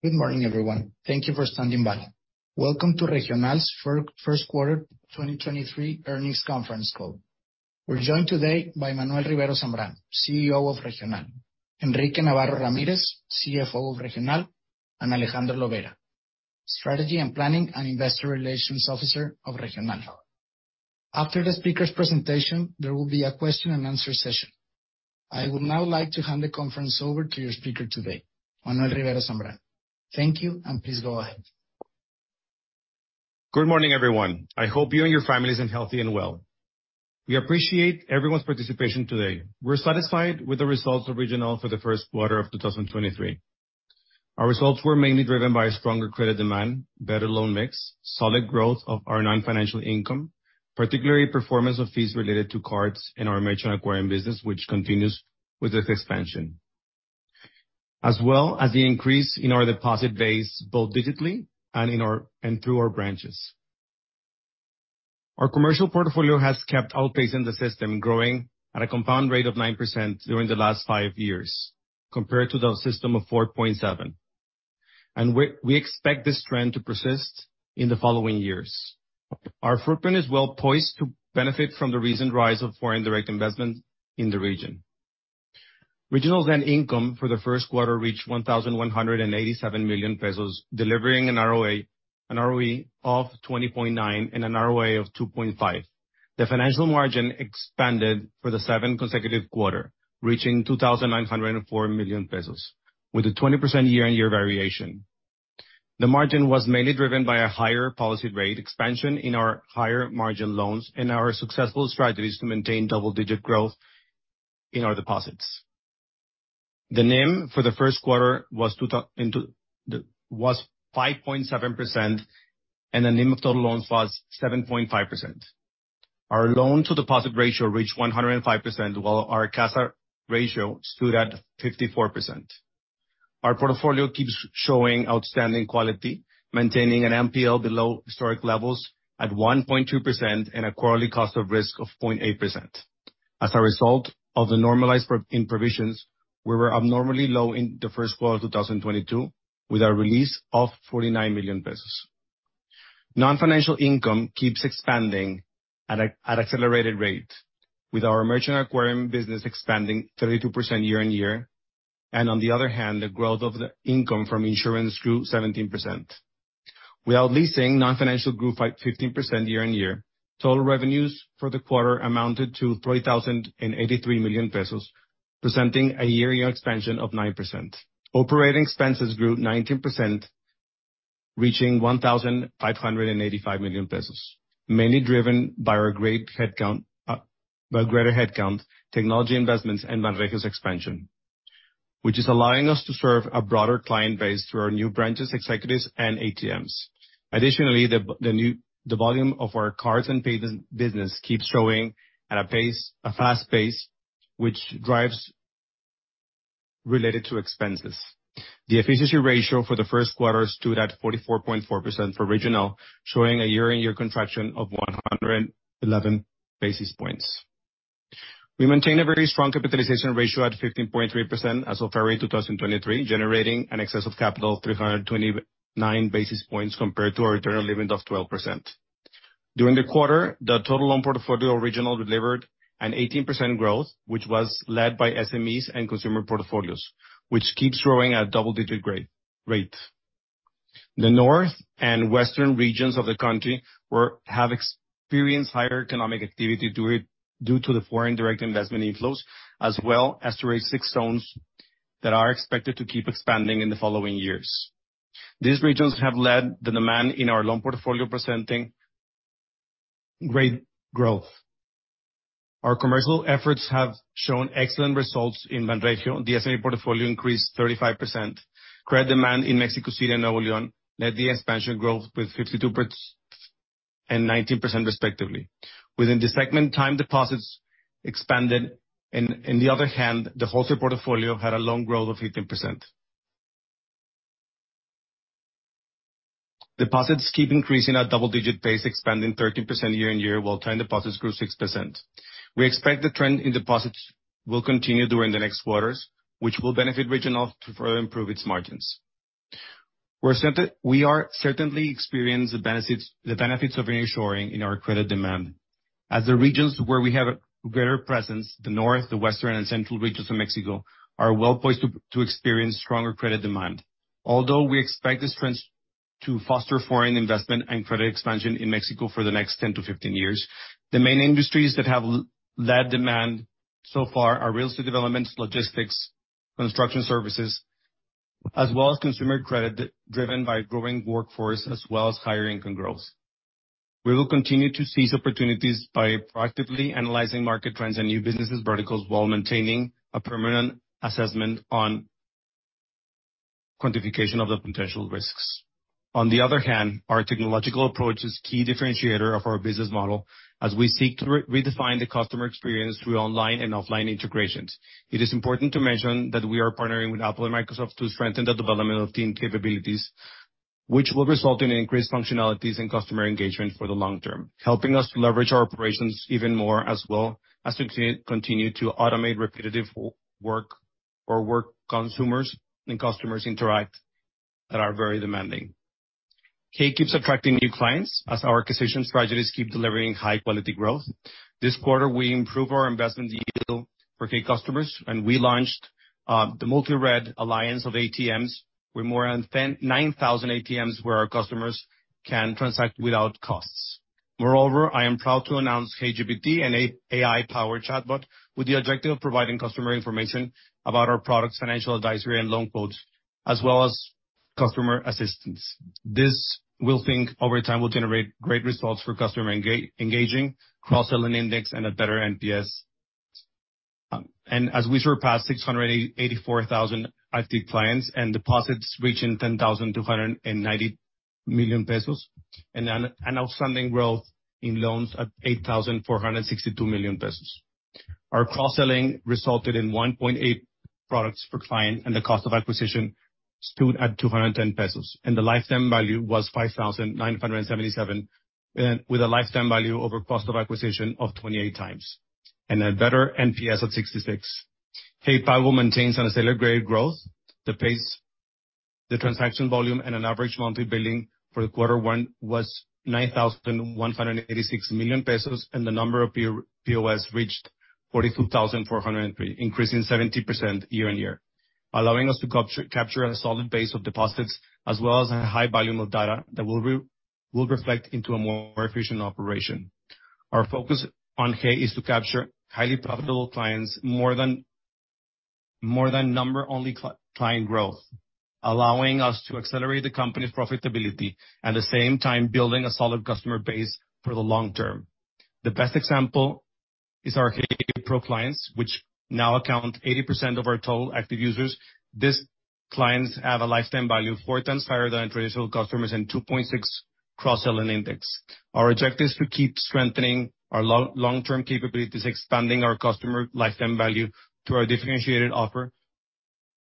Good morning, everyone. Thank you for standing by. Welcome to Regional's Q1 2023 earnings conference call. We're joined today by Manuel Rivero Zambrano, CEO of Regional, Enrique Navarro Ramírez, CFO of Regional, and Alejandro Lobeira, Strategy and Planning and Investor Relations Officer of Regional. After the speakers' presentation, there will be a question and answer session. I would now like to hand the conference over to your speaker today, Manuel Rivero Zambrano. Thank you, and please go ahead. Good morning, everyone. I hope you and your family is in healthy and well. We appreciate everyone's participation today. We're satisfied with the results of Regional for the Q1 of 2023. Our results were mainly driven by a stronger credit demand, better loan mix, solid growth of our non-financial income, particularly performance of fees related to cards in our merchant acquiring business, which continues with its expansion. As well as the increase in our deposit base, both digitally and in our and through our branches. Our commercial portfolio has kept outpacing the system, growing at a compound rate of 9% during the last five years, compared to the system of 4.7. We expect this trend to persist in the following years. Our footprint is well-poised to benefit from the recent rise of foreign direct investment in the region. Regional's net income for the Q1 reached 1,187 million pesos, delivering an ROE of 20.9% and an ROA of 2.5%. The financial margin expanded for the seventh consecutive quarter, reaching 2,904 million pesos with a 20% year-on-year variation. The margin was mainly driven by a higher policy rate expansion in our higher margin loans and our successful strategies to maintain double-digit growth in our deposits. The NIM for the Q1 was 5.7%, and the NIM of total loans was 7.5%. Our loan-to-deposit ratio reached 105%, while our CASA ratio stood at 54%. Our portfolio keeps showing outstanding quality, maintaining an NPL below historic levels at 1.2% and a quarterly cost of risk of 0.8%. As a result of the normalized in provisions, we were abnormally low in the Q1 of 2022, with a release of 49 million pesos. Non-financial income keeps expanding at an accelerated rate, with our merchant acquiring business expanding 32% year-on-year, and on the other hand, the growth of the income from insurance grew 17%. Without leasing, non-financial grew 15% year-on-year. Total revenues for the quarter amounted to 3,083 million pesos, presenting a year-on-year expansion of 9%. Operating expenses grew 19%, reaching 1,585 million pesos, mainly driven by greater headcount, technology investments, and Banregio's expansion, which is allowing us to serve a broader client base through our new branches, executives, and ATMs. The volume of our cards and payments business keeps growing at a fast pace, which drives related to expenses. The efficiency ratio for the Q1 stood at 44.4% for Regional, showing a year-on-year contraction of 111 basis points. We maintain a very strong capitalization ratio at 15.3% as of February 2023, generating an excess of capital 329 basis points compared to our internal limit of 12%. During the quarter, the total loan portfolio Regional delivered an 18% growth, which was led by SMEs and consumer portfolios, which keeps growing at double-digit rates. The North and Western regions of the country have experienced higher economic activity due to the foreign direct investment inflows, as well as to rate six zones that are expected to keep expanding in the following years. These regions have led the demand in our loan portfolio presenting great growth. Our commercial efforts have shown excellent results in Banregio. The SME portfolio increased 35%. Credit demand in Mexico City and Nuevo Leon led the expansion growth with 52% and 19% respectively. Within this segment, time deposits expanded and on the other hand, the wholesale portfolio had a long growth of 15%. Deposits keep increasing at double-digit pace, expanding 13% year-on-year, while time deposits grew 6%. We are certainly experiencing the benefits of ensuring in our credit demand as the regions where we have a greater presence, the North, the Western, and Central regions of Mexico, are well-poised to experience stronger credit demand. We expect this trend to foster foreign investment and credit expansion in Mexico for the next 10-15 years, the main industries that have led demand so far are real estate developments, logistics, construction services, as well as consumer credit driven by growing workforce as well as higher income growth. We will continue to seize opportunities by proactively analyzing market trends and new businesses verticals while maintaining a permanent assessment on quantification of the potential risks. On the other hand, our technological approach is key differentiator of our business model as we seek to redesign the customer experience through online and offline integrations. It is important to mention that we are partnering with Apple and Microsoft to strengthen the development of team capabilities, which will result in increased functionalities and customer engagement for the long term, helping us leverage our operations even more as well as continue to automate repetitive work or work consumers and customers interact that are very demanding. Hey keeps attracting new clients as our acquisition strategies keep delivering high quality growth. This quarter, we improved our investment yield for key customers. We launched the Multired alliance of ATMs with more than 9,000 ATMs where our customers can transact without costs. Moreover, I am proud to announce HeyGPT, an AI-powered chatbot with the objective of providing customer information about our products, financial advisory and loan quotes, as well as customer assistance. This, we think over time, will generate great results for customer engaging, cross-selling index, and a better NPS. As we surpass 684,000 active clients and deposits reaching 10,290 million pesos, and an outstanding growth in loans at 8,462 million pesos. Our cross-selling resulted in 1.8 products per client, the cost of acquisition stood at 210 pesos, the lifetime value was 5,977, with a lifetime value over cost of acquisition of 28x and a better NPS at 66. Hey Pago maintains an accelerated growth. The transaction volume and an average monthly billing for the quarter one was 9,186 million pesos, the number of POS reached 42,403, increasing 70% year-on-year, allowing us to capture a solid base of deposits as well as a high volume of data that will reflect into a more efficient operation. Our focus on Hey is to capture highly profitable clients more than number only client growth, allowing us to accelerate the company's profitability, at the same time building a solid customer base for the long term. The best example is our Hey Pro clients, which now account 80% of our total active users. These clients have a lifetime value 4x higher than traditional customers and 2.6 cross-selling index. Our objective is to keep strengthening our long-term capabilities, expanding our customer lifetime value through our differentiated offer,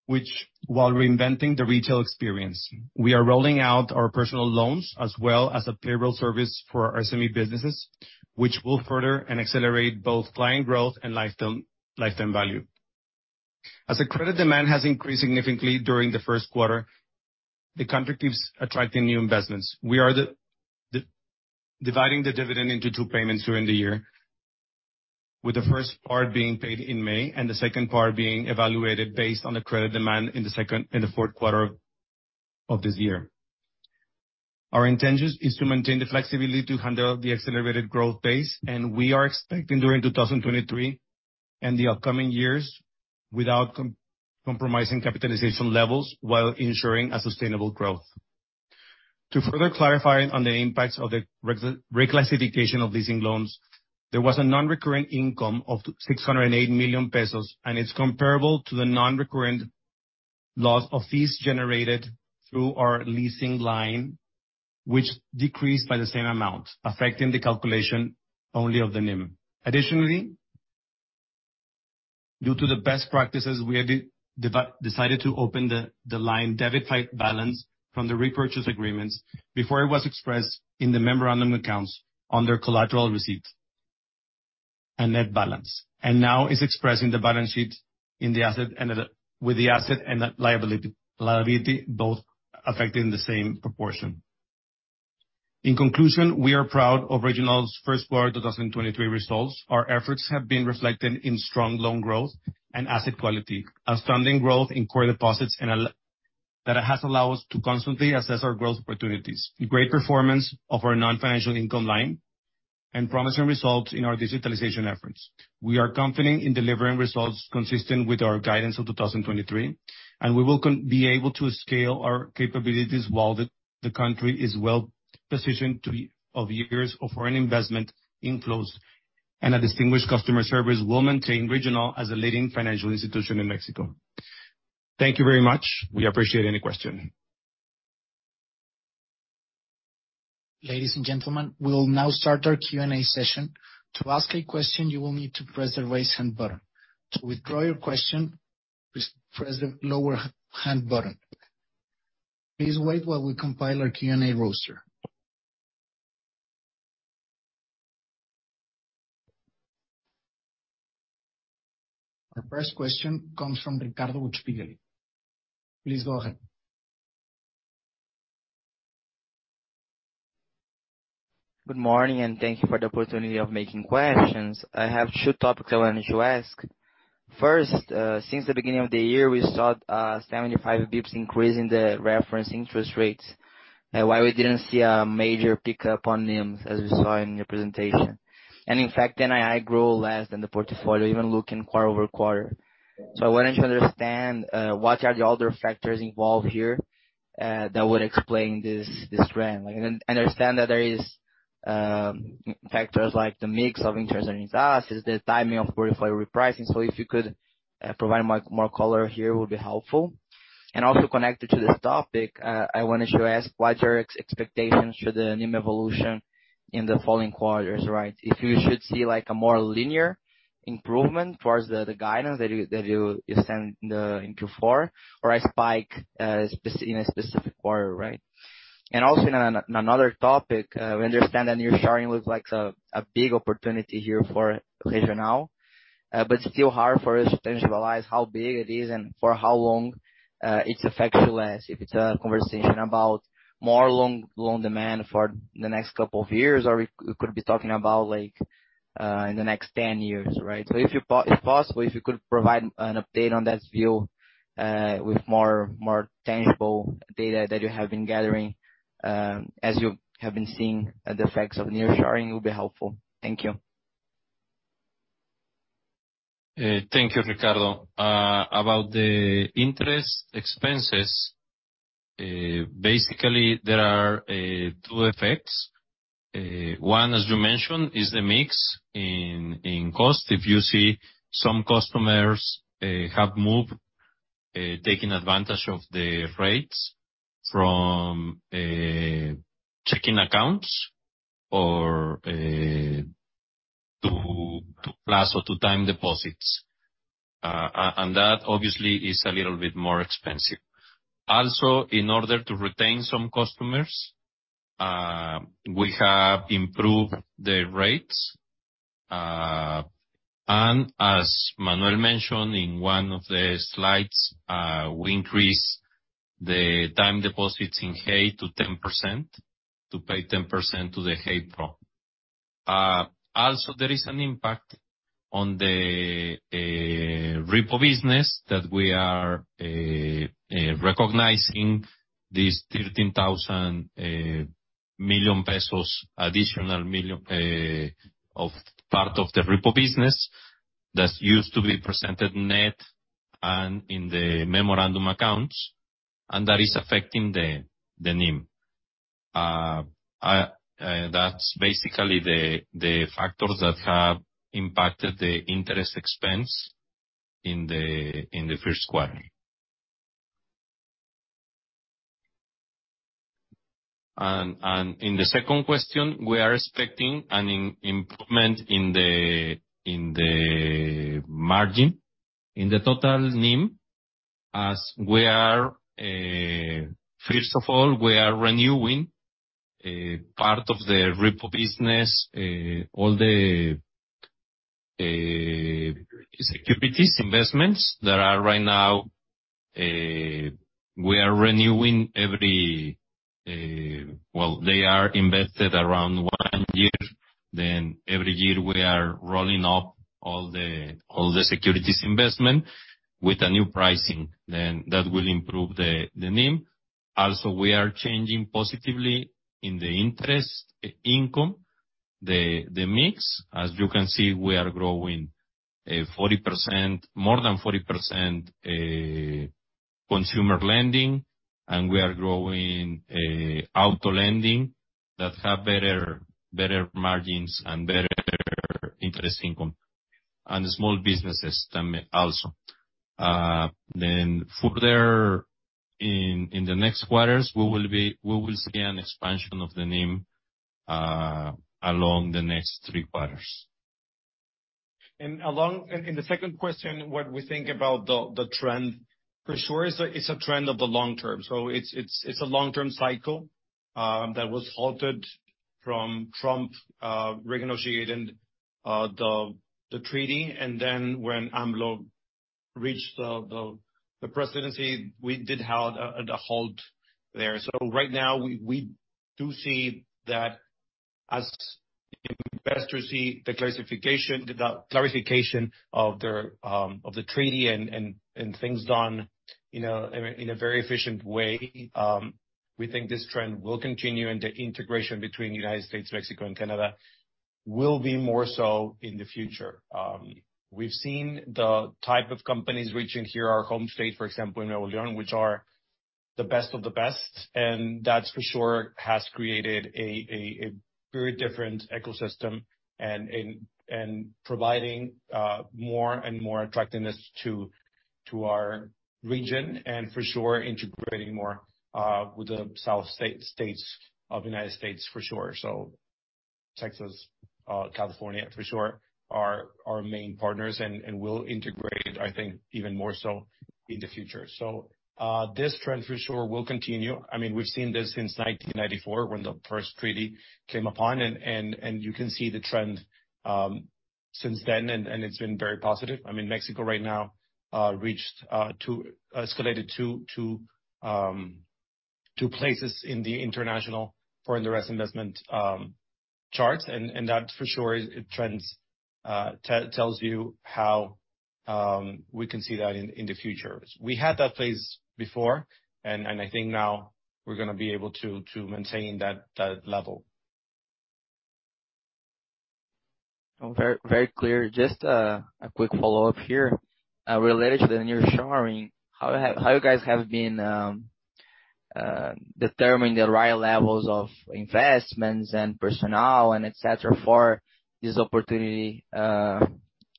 which while reinventing the retail experience, we are rolling out our personal loans as well as a payroll service for our SME businesses, which will further and accelerate both client growth and lifetime value. As the credit demand has increased significantly during the Q1, the country keeps attracting new investments. We are dividing the dividend into two payments during the year, with the first part being paid in May and the second part being evaluated based on the credit demand in the second and the Q4 of this year. Our intention is to maintain the flexibility to handle the accelerated growth pace, and we are expecting during 2023 and the upcoming years, without compromising capitalization levels while ensuring a sustainable growth. To further clarify on the impacts of the reclassification of leasing loans, there was a non-recurrent income of 608 million pesos, and it's comparable to the non-recurrent loss of fees generated through our leasing line, which decreased by the same amount, affecting the calculation only of the NIM. Additionally, due to the best practices, we had decided to open the line debit type balance from the repurchase agreements before it was expressed in the memorandum accounts under collateral receipts and net balance. Now is expressed on the balance sheet in the asset with the asset and the liability both affecting the same proportion. In conclusion, we are proud of Regional's Q1 2023 results. Our efforts have been reflected in strong loan growth and asset quality, outstanding growth in core deposits, and that has allowed us to constantly assess our growth opportunities, the great performance of our non-financial income line, and promising results in our digitalization efforts. We are confident in delivering results consistent with our guidance of 2023, and we will be able to scale our capabilities while the country is well-positioned to be of years of foreign investment inflows, and a distinguished customer service will maintain Regional as a leading financial institution in Mexico. Thank you very much. We appreciate any question. Ladies and gentlemen, we will now start our Q&A session. To ask a question, you will need to press the Raise Hand button. To withdraw your question, please press the lower hand button. Please wait while we compile our Q&A roster. The first question comes from Ricardo Buchpiguel. Please go ahead. Good morning. Thank you for the opportunity of making questions. I have two topics I wanted to ask. First, since the beginning of the year, we saw a 75 basis points increase in the reference interest rates. Why we didn't see a major pickup on NIM, as we saw in your presentation? In fact, NII grew less than the portfolio even looking quarter-over-quarter. I wanted to understand what are the other factors involved here that would explain this trend. Like, I understand that there is factors like the mix of interest and is the timing of portfolio repricing. If you could provide more color here, it would be helpful. Also connected to this topic, I wanted to ask what's your expectations to the NIM evolution in the following quarters, right? If you should see like a more linear improvement towards the guidance that you sent in the Q4 or a spike in a specific quarter, right? Also in another topic, we understand that nearshoring looks like a big opportunity here for Regional. It's still hard for us to tangibilize how big it is and for how long it affects you less. If it's a conversation about more long demand for the next couple of years or we could be talking about like in the next 10 years, right? If possible, if you could provide an update on that view with more tangible data that you have been gathering as you have been seeing the effects of nearshoring, it will be helpful. Thank you. Thank you, Ricardo. About the interest expenses, basically there are two effects. One, as you mentioned, is the mix in cost. If you see some customers have moved taking advantage of the rates from checking accounts or to plus or to time deposits. That obviously is a little bit more expensive. Also, in order to retain some customers, we have improved the rates. As Manuel mentioned in one of the slides, we increased the time deposits in Hey to 10%, to pay 10% to the Hey Pro. Also, there is an impact on the repo business that we are recognizing these 13,000 million pesos, additional 1 million, of part of the repo business that used to be presented net and in the memorandum accounts, and that is affecting the NIM. That's basically the factors that have impacted the interest expense in the Q1. In the second question, we are expecting an improvement in the margin, in the total NIM, as we are, first of all, we are renewing part of the repo business. All the securities investments that are right now, we are renewing every. Well, they are invested around one year. Every year we are rolling up all the securities investment with a new pricing, then that will improve the NIM. We are changing positively in the interest income, the mix. As you can see, we are growing 40%, more than 40%, consumer lending, and we are growing auto lending that have better margins and better interest income, and small businesses term also. Further in the next quarters, we will see an expansion of the NIM along the next three quarters. In the second question, what we think about the trend, for sure it's a trend of the long term. It's a long-term cycle that was halted from Trump renegotiating the treaty. When AMLO reached the presidency, we did have the halt there. Right now we do see that as investors see the classification, the clarification of the treaty and things done, you know, in a very efficient way, we think this trend will continue and the integration between United States, Mexico and Canada will be more so in the future. We've seen the type of companies reaching here, our home state, for example, in Nuevo Leon, which are the best of the best, and that for sure has created a very different ecosystem and providing more and more attractiveness to our region and for sure integrating more with the South States of the United States for sure. Texas, California for sure are our main partners and will integrate, I think, even more so in the future. This trend for sure will continue. I mean, we've seen this since 1994 when the first treaty came upon and you can see the trend since then and it's been very positive. I mean, Mexico right now escalated to places in the international foreign direct investment charts. That for sure it trends, tells you how, we can see that in the future. We had that phase before, and I think now we're gonna be able to maintain that level. Very clear. Just a quick follow-up here. Related to the nearshoring, how you guys have been determining the right levels of investments and personnel and et cetera, for this opportunity, as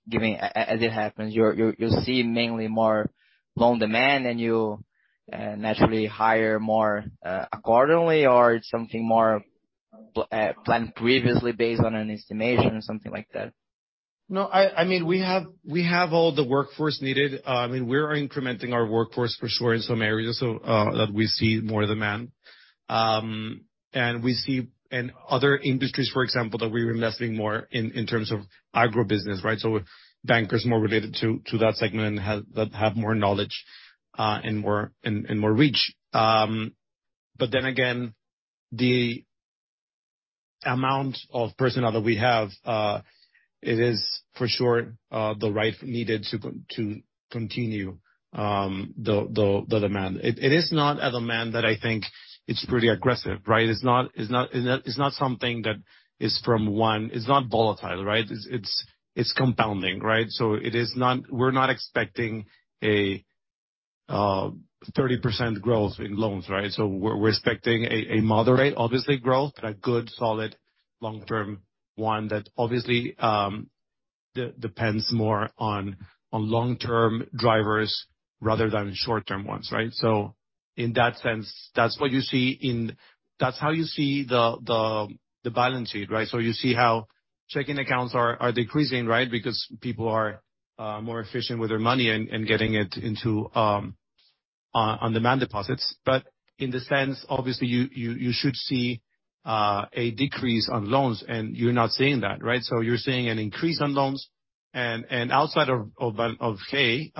it happens? You'll see mainly more loan demand and you naturally hire more accordingly or it's something more planned previously based on an estimation or something like that? I mean, we have all the workforce needed. I mean, we're incrementing our workforce for sure in some areas that we see more demand. In other industries, for example, that we're investing more in terms of agribusiness, right? Bankers more related to that segment that have more knowledge and more reach. The amount of personnel that we have, it is for sure the right needed to continue the demand. It is not a demand that I think it's pretty aggressive, right? It's not something that is volatile, right? It's compounding, right? We're not expecting a 30% growth in loans, right? We're expecting a moderate, obviously, growth, but a good, solid long-term one that obviously, depends more on long-term drivers rather than short-term ones. In that sense, that's how you see the balance sheet. You see how checking accounts are decreasing. Because people are more efficient with their money and getting it into on-demand deposits. In the sense, obviously, you should see a decrease on loans, and you're not seeing that. You're seeing an increase on loans. Outside of that, okay,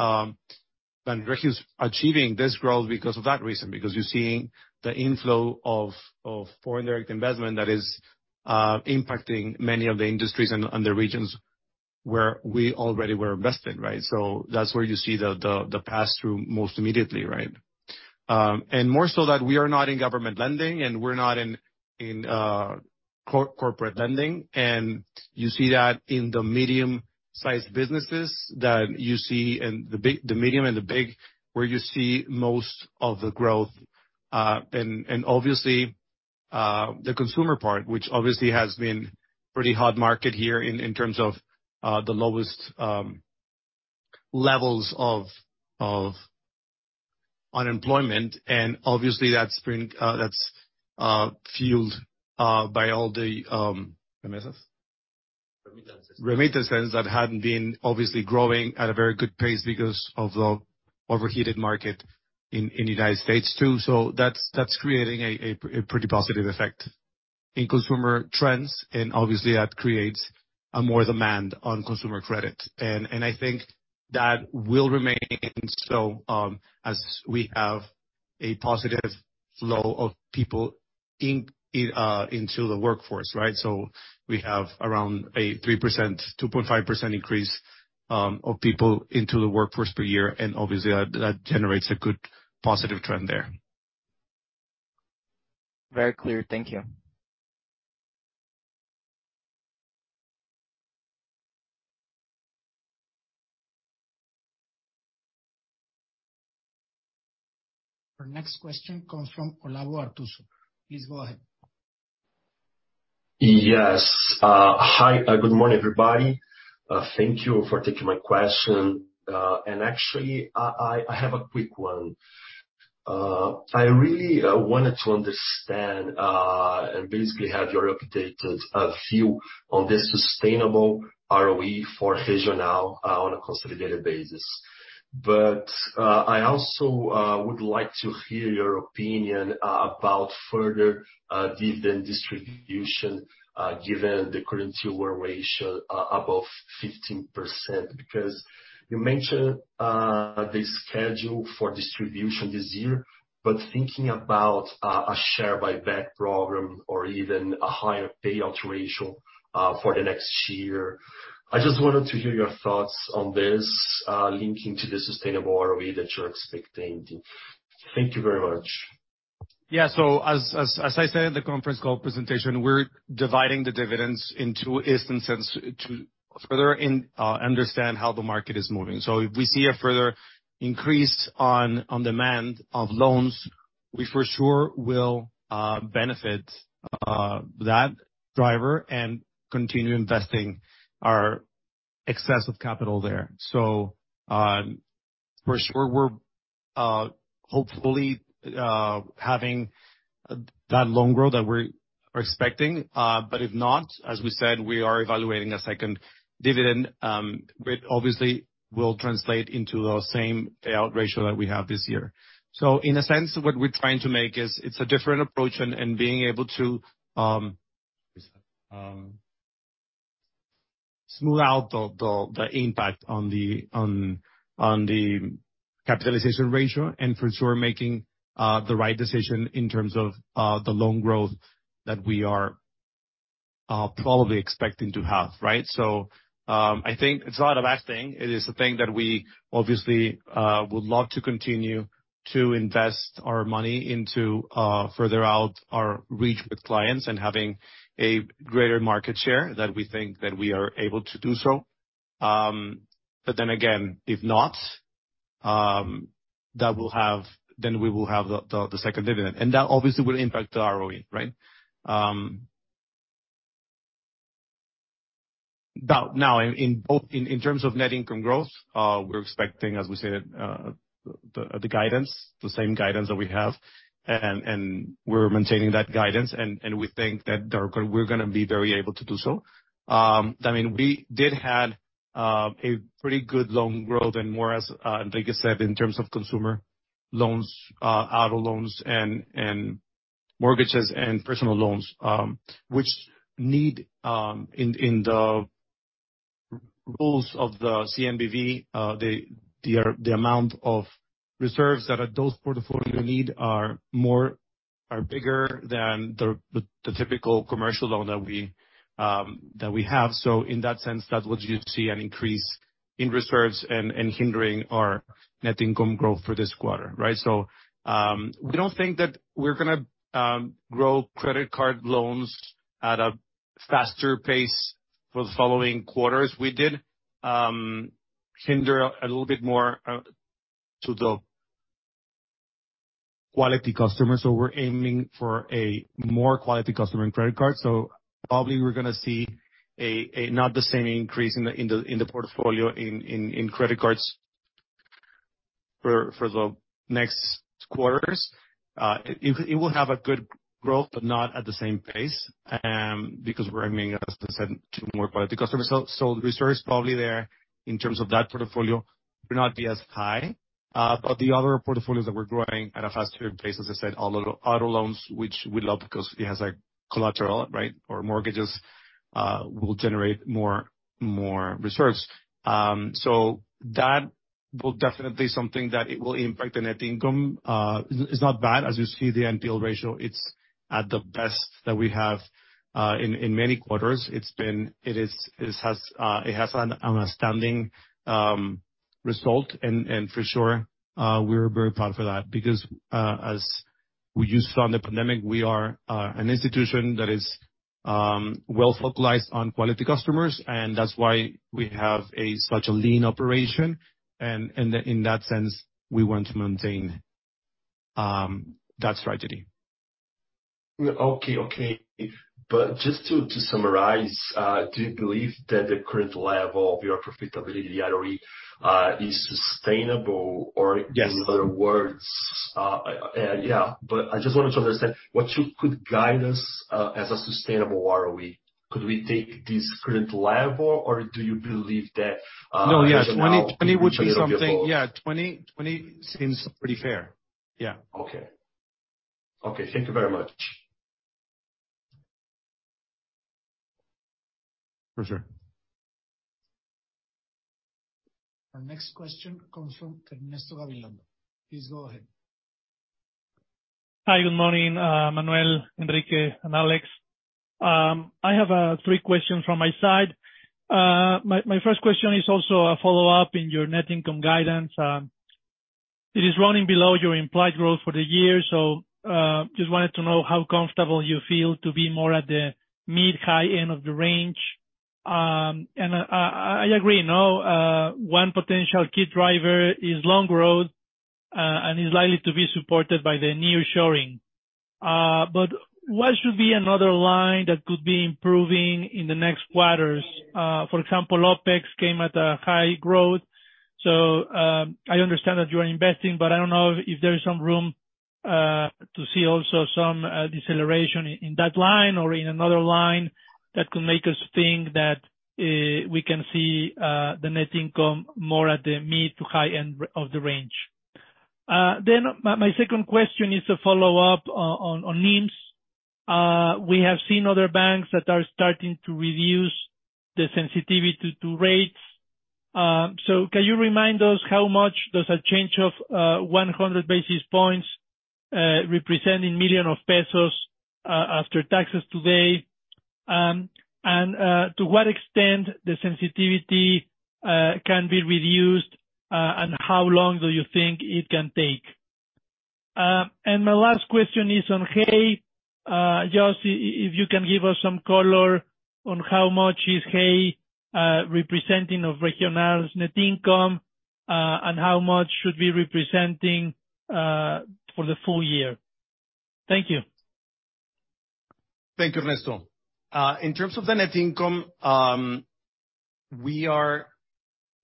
Banregio is achieving this growth because of that reason, because you're seeing the inflow of foreign direct investment that is impacting many of the industries and the regions where we already were invested. That's where you see the pass-through most immediately, right? More so that we are not in government lending, and we're not in corporate lending. You see that in the medium-sized businesses that you see in the medium and the big, where you see most of the growth. Obviously, the consumer part, which obviously has been pretty hot market here in terms of the lowest levels of unemployment. And obviously, that's been, that's fueled by all the remittances. Remittances. Remittances that hadn't been obviously growing at a very good pace because of the overheated market in the United States too. That's creating a pretty positive effect in consumer trends, and obviously, that creates a more demand on consumer credit. I think that will remain so, as we have a positive flow of people in into the workforce, right? We have around a 3%, 2.5% increase of people into the workforce per year, and obviously, that generates a good positive trend there. Very clear. Thank you. Our next question comes from Olavo Arthuzo. Please go ahead. Yes. Hi. Good morning, everybody. Thank you for taking my question. Actually, I have a quick one. I really wanted to understand and basically have your updated view on the sustainable ROE for Regional on a consolidated basis. I also would like to hear your opinion about further dividend distribution given the current Tier 1 ratio above 15%. You mentioned the schedule for distribution this year. Thinking about a share buyback program or even a higher payout ratio for the next year, I just wanted to hear your thoughts on this linking to the sustainable ROE that you're expecting. Thank you very much. Yeah. As I said in the conference call presentation, we're dividing the dividends in two instances to further understand how the market is moving. If we see a further increase on demand of loans, we for sure will benefit that driver and continue investing our excess of capital there. We're hopefully having that loan growth that we're expecting. If not, as we said, we are evaluating a second dividend, which obviously will translate into the same payout ratio that we have this year. In a sense, what we're trying to make is it's a different approach and being able to smooth out the impact on the capitalization ratio and for sure making the right decision in terms of the loan growth that we are probably expecting to have, right? I think it's not a bad thing. It is a thing that we obviously would love to continue to invest our money into further out our reach with clients and having a greater market share that we think that we are able to do so. Then again, if not, Then we will have the second dividend, and that obviously will impact the ROE, right? Now, in terms of net income growth, we're expecting, as we said, the guidance, the same guidance that we have. And we're maintaining that guidance, and we think that we're going to be very able to do so. I mean, we did have a pretty good loan growth and more as, like I said, in terms of consumer loans, auto loans, and mortgages and personal loans, which need in the rules of the CNBV, the amount of reserves that those portfolio need are more, are bigger than the typical commercial loan that we have. So in that sense, that what you see an increase in reserves and hindering our net income growth for this quarter, right? We don't think that we're gonna grow credit card loans at a faster pace for the following quarters. We did hinder a little bit more to the quality customer. We're aiming for a more quality customer in credit card. Probably we're gonna see a not the same increase in the portfolio in credit cards for the next quarters. It will have a good growth, but not at the same pace because we're aiming, as I said, to more quality customers. The reserves probably there in terms of that portfolio will not be as high. The other portfolios that we're growing at a faster pace, as I said, auto loans, which we love because it has a collateral, right, or mortgages, will generate more reserves. That will definitely something that it will impact the net income. It's not bad. As you see the NPL ratio, it's at the best that we have in many quarters. It is, it has an outstanding result. For sure, we're very proud for that because as we used on the pandemic, we are an institution that is well-focused on quality customers, and that's why we have a such a lean operation. In that sense, we want to maintain that strategy. Okay. Just to summarize, do you believe that the current level of your profitability, the ROE, is sustainable? Yes. In other words, yeah. I just wanted to understand what you could guide us as a sustainable ROE. Could we take this current level, or do you believe that? No, yeah. 20 would be something. Yeah, 20 seems pretty fair. Yeah. Okay. Okay. Thank you very much. For sure. Our next question comes from Ernesto Gabilondo. Please go ahead. Hi, good morning, Manuel, Enrique, and Alex. I have three questions from my side. My first question is also a follow-up in your net income guidance. It is running below your implied growth for the year. Just wanted to know how comfortable you feel to be more at the mid-high end of the range. I agree, you know, one potential key driver is loan growth and is likely to be supported by the nearshoring. What should be another line that could be improving in the next quarters? For example, OpEx came at a high growth. I understand that you are investing, but I don't know if there is some room to see also some deceleration in that line or in another line that could make us think that we can see the net income more at the mid to high end of the range. My second question is a follow-up on NIMS. We have seen other banks that are starting to reduce the sensitivity to rates. Can you remind us how much does a change of 100 basis points represent in million of pesos after taxes today? To what extent the sensitivity can be reduced and how long do you think it can take? My last question is on Hey. Just if you can give us some color on how much is Hey representing of Regional's net income, and how much should be representing for the full year. Thank you. Thank you, Ernesto. In terms of the net income, we are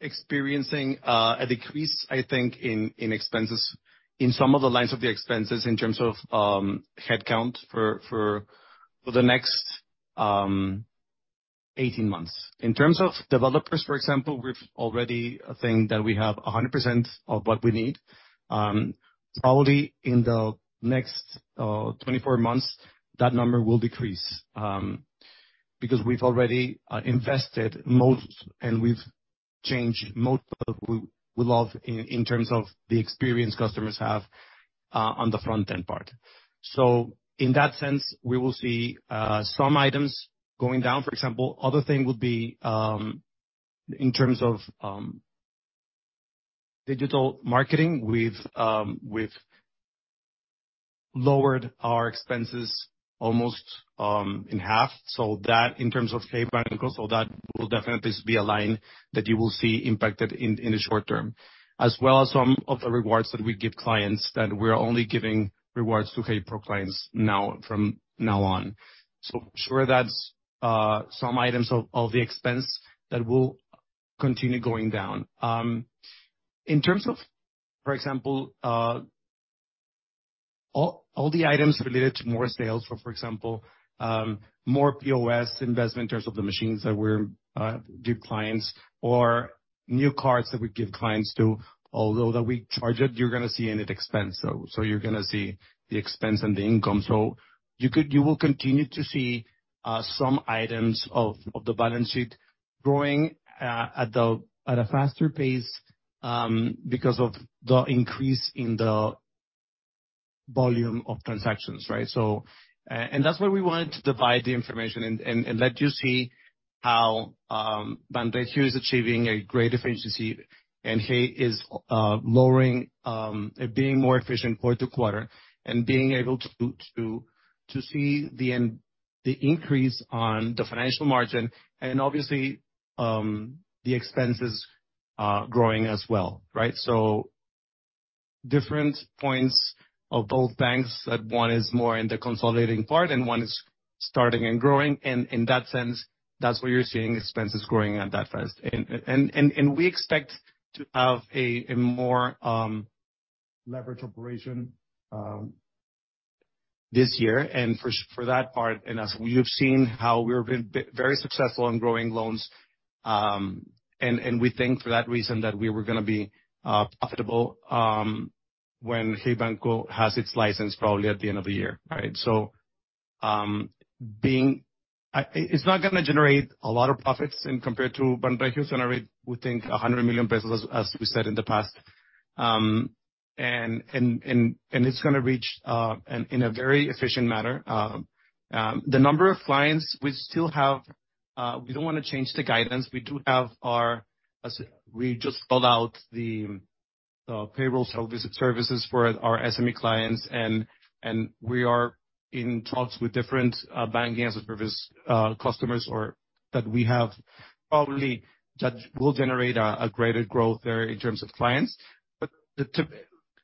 experiencing a decrease, I think, in expenses, in some of the lines of the expenses in terms of headcount for the next 18 months. In terms of developers, for example, we've already think that we have 100% of what we need. Probably in the next 24 months, that number will decrease because we've already invested most and we've-Change most of we love in terms of the experience customers have on the front-end part. In that sense, we will see some items going down, for example. Other thing would be in terms of digital marketing. Lowered our expenses almost in half, so that in terms of Hey Banco, that will definitely be a line that you will see impacted in the short term. As well as some of the rewards that we give clients, that we're only giving rewards to Hey Pro clients now, from now on. Sure that's some items of the expense that will continue going down. In terms of, for example, all the items related to more sales, for example, more POS investment in terms of the machines that we give clients or new cards that we give clients to, although that we charge it, you're gonna see it in expense though. You're gonna see the expense and the income. You will continue to see some items of the balance sheet growing at a faster pace because of the increase in the volume of transactions, right? That's why we wanted to divide the information and let you see how Banregio is achieving a great efficiency and Hey is lowering being more efficient quarter-to-quarter and being able to see the increase on the financial margin and obviously the expenses growing as well, right? Different points of both banks, that one is more in the consolidating part and one is starting and growing. In that sense, that's why you're seeing expenses growing at that phase. We expect to have a more leverage operation this year. For that part, and as you've seen, how we've been very successful in growing loans, and we think for that reason that we were gonna be profitable when Hey Banco has its license probably at the end of the year, right? It's not gonna generate a lot of profits in compared to Banregio. It's gonna read, we think, 100 million pesos, as we said in the past. And it's gonna reach in a very efficient manner. The number of clients we still have, we don't wanna change the guidance. We do have our... As we just rolled out the payroll services for our SME clients, and we are in talks with different Banking as a Service customers or that we have probably that will generate a greater growth there in terms of clients.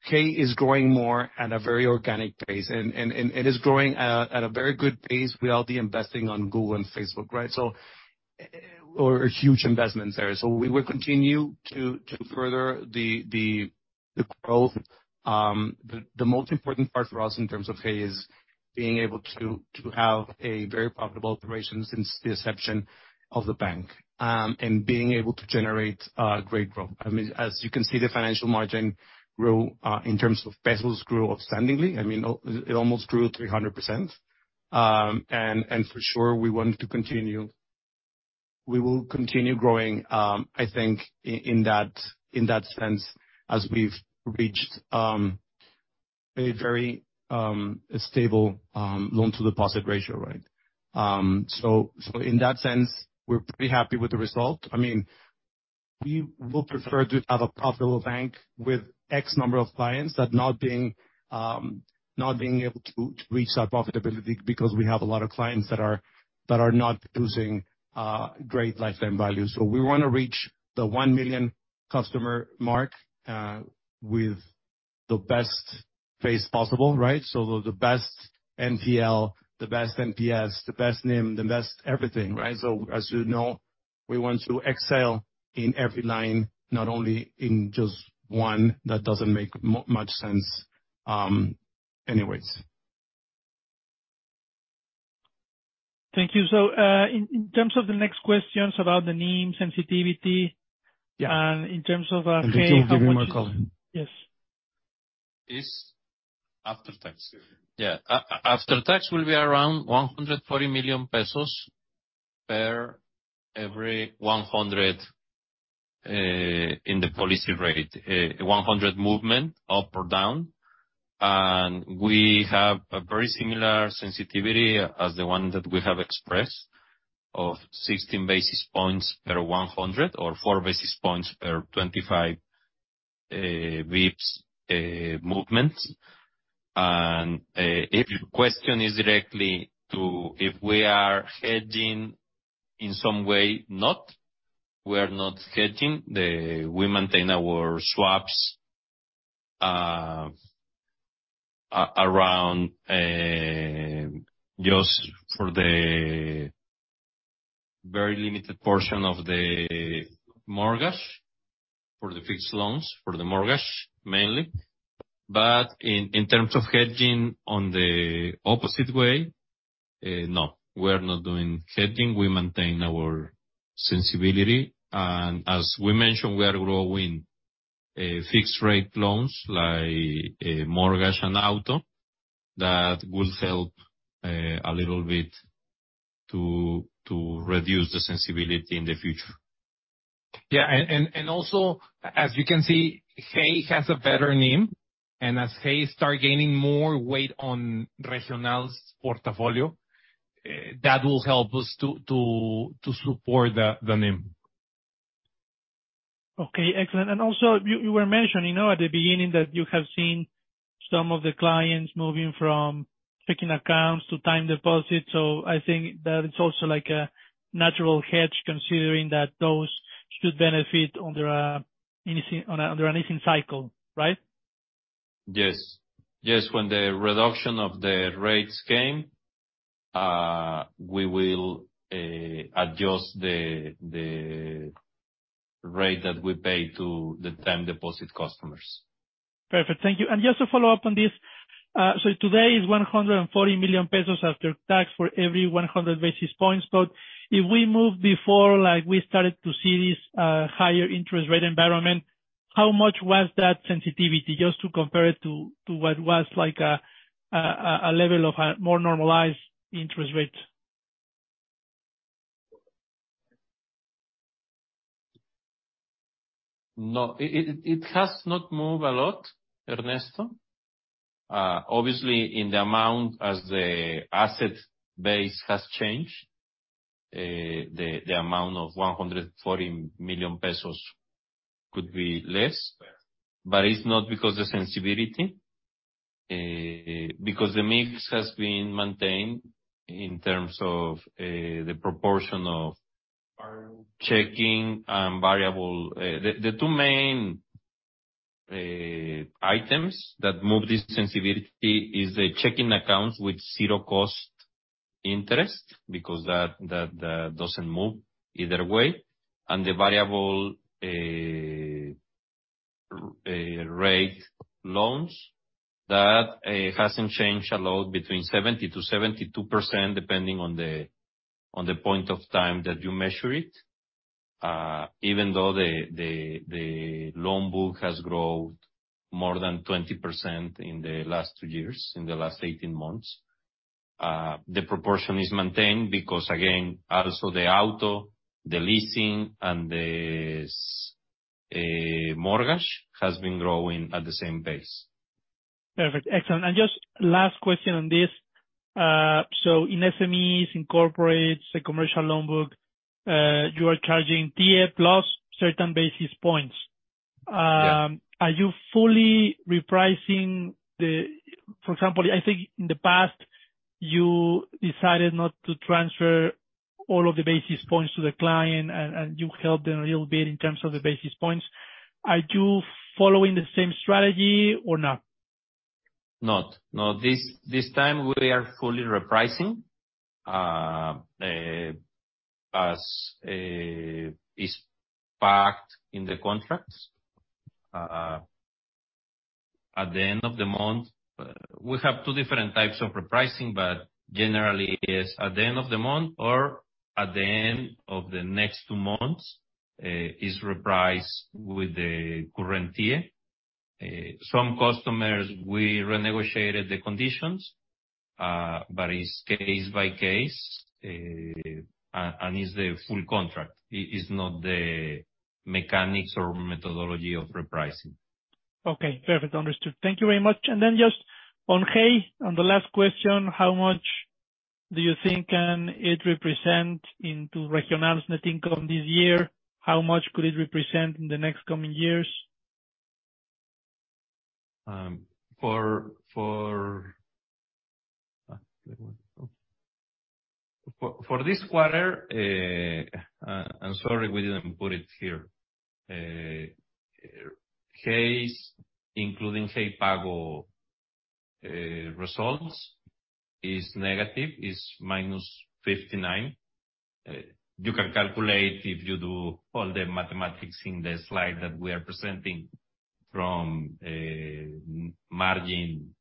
Hey is growing more at a very organic pace. It is growing at a very good pace without investing on Google and Facebook, right? Huge investments there. We will continue to further the growth. The most important part for us in terms of Hey is being able to have a very profitable operation since the inception of the bank, and being able to generate great growth. I mean, as you can see, the financial margin grew in terms of pesos grew outstandingly. I mean, it almost grew 300%. For sure we want to continue, we will continue growing, I think in that sense, as we've reached a very stable loan-to-deposit ratio, right? In that sense, we're pretty happy with the result. I mean, we will prefer to have a profitable bank with X number of clients than not being able to reach that profitability because we have a lot of clients that are not producing great Lifetime Value. We wanna reach the 1 million customer mark with the best face possible, right? The best NPL, the best NPS, the best NIM, the best everything, right? As you know, we want to excel in every line, not only in just one that doesn't make much sense, anyways. Thank you. In, in terms of the next questions about the NIM sensitivity- Yeah. In terms of Hey. In terms of the numerical. Yes. Is after tax. Yeah. After tax will be around 140 million pesos per every 100 in the policy rate 100 movement up or down. We have a very similar sensitivity as the one that we have expressed of 16 basis points per 100 or 4 basis points per 25 bips movements. If your question is directly to if we are hedging in some way, not, we are not hedging. We maintain our swaps around just for the very limited portion of the mortgage, for the fixed loans, for the mortgage mainly. In terms of hedging on the opposite way, no, we are not doing hedging. We maintain our sensibility. As we mentioned, we are growing fixed rate loans like mortgage and auto That will help, a little bit to reduce the sensibility in the future. Yeah. Also, as you can see, Hey has a better NIM. As Hey start gaining more weight on Regional's portfolio, that will help us to support the NIM. Okay. Excellent. You were mentioning, you know, at the beginning that you have seen some of the clients moving from checking accounts to time deposits. I think that it's also like a natural hedge considering that those should benefit on the easing cycle, right? Yes. Yes. When the reduction of the rates came, we will adjust the rate that we pay to the time deposit customers. Perfect. Thank you. Just to follow up on this, today is 140 million pesos after tax for every 100 basis points. If we move before, like, we started to see this higher interest rate environment, how much was that sensitivity just to compare it to what was like a level of a more normalized interest rate? No. It has not moved a lot, Ernesto. Obviously in the amount as the asset base has changed, the amount of 140 million pesos could be less. It's not because the sensibility, because the mix has been maintained in terms of the proportion of checking and variable. The two main items that move this sensibility is the checking accounts with zero cost interest because that doesn't move either way, and the variable rate loans that hasn't changed a lot between 70%-72%, depending on the point of time that you measure it. Even though the loan book has grown more than 20% in the last two years, in the last 18 months, the proportion is maintained because again, also the auto, the leasing, and the mortgage has been growing at the same pace. Perfect. Excellent. Just last question on this. In SMEs, in corporates, the commercial loan book, you are charging TIIE plus certain basis points. Yeah. Are you fully repricing the. For example, I think in the past you decided not to transfer all of the basis points to the client and you helped them a little bit in terms of the basis points. Are you following the same strategy or not? Not. No. This time we are fully repricing, as is packed in the contracts. At the end of the month, we have two different types of repricing, but generally it's at the end of the month or at the end of the next two months, is repriced with the current year. Some customers we renegotiated the conditions, but it's case by case. It's the full contract. It is not the mechanics or methodology of repricing. Okay. Perfect. Understood. Thank you very much. Just on Hey, the last question, how much do you think can it represent into Regional's net income this year? How much could it represent in the next coming years? For this quarter, I'm sorry we didn't put it here. Hey's, including Hey Pago, results is negative, is -59. You can calculate if you do all the mathematics in the slide that we are presenting from, margin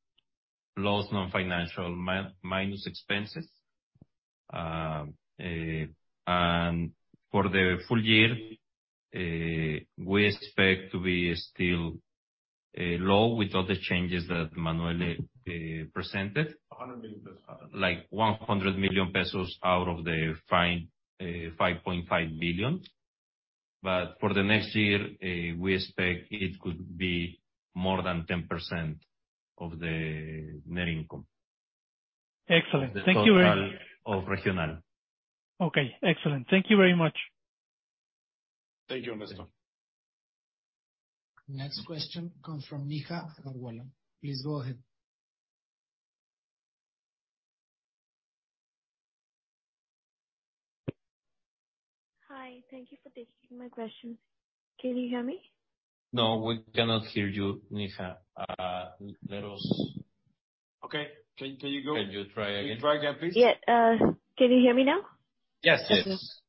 loss, non-financial minus expenses. And for the full year, we expect to be still low with all the changes that Manuel presented. 100 million pesos. MXN 100 million out of 5.5 billion. For the next year, we expect it could be more than 10% of the net income. Excellent. Thank you. The total of Regional. Okay. Excellent. Thank you very much. Thank you, Ernesto. Next question comes from Neha Agarwala. Please go ahead. Hi. Thank you for taking my questions. Can you hear me? No, we cannot hear you, Neha. Okay. Can you. Can you try again? Can you try again, please? Yeah. Can you hear me now? Yes. Yes.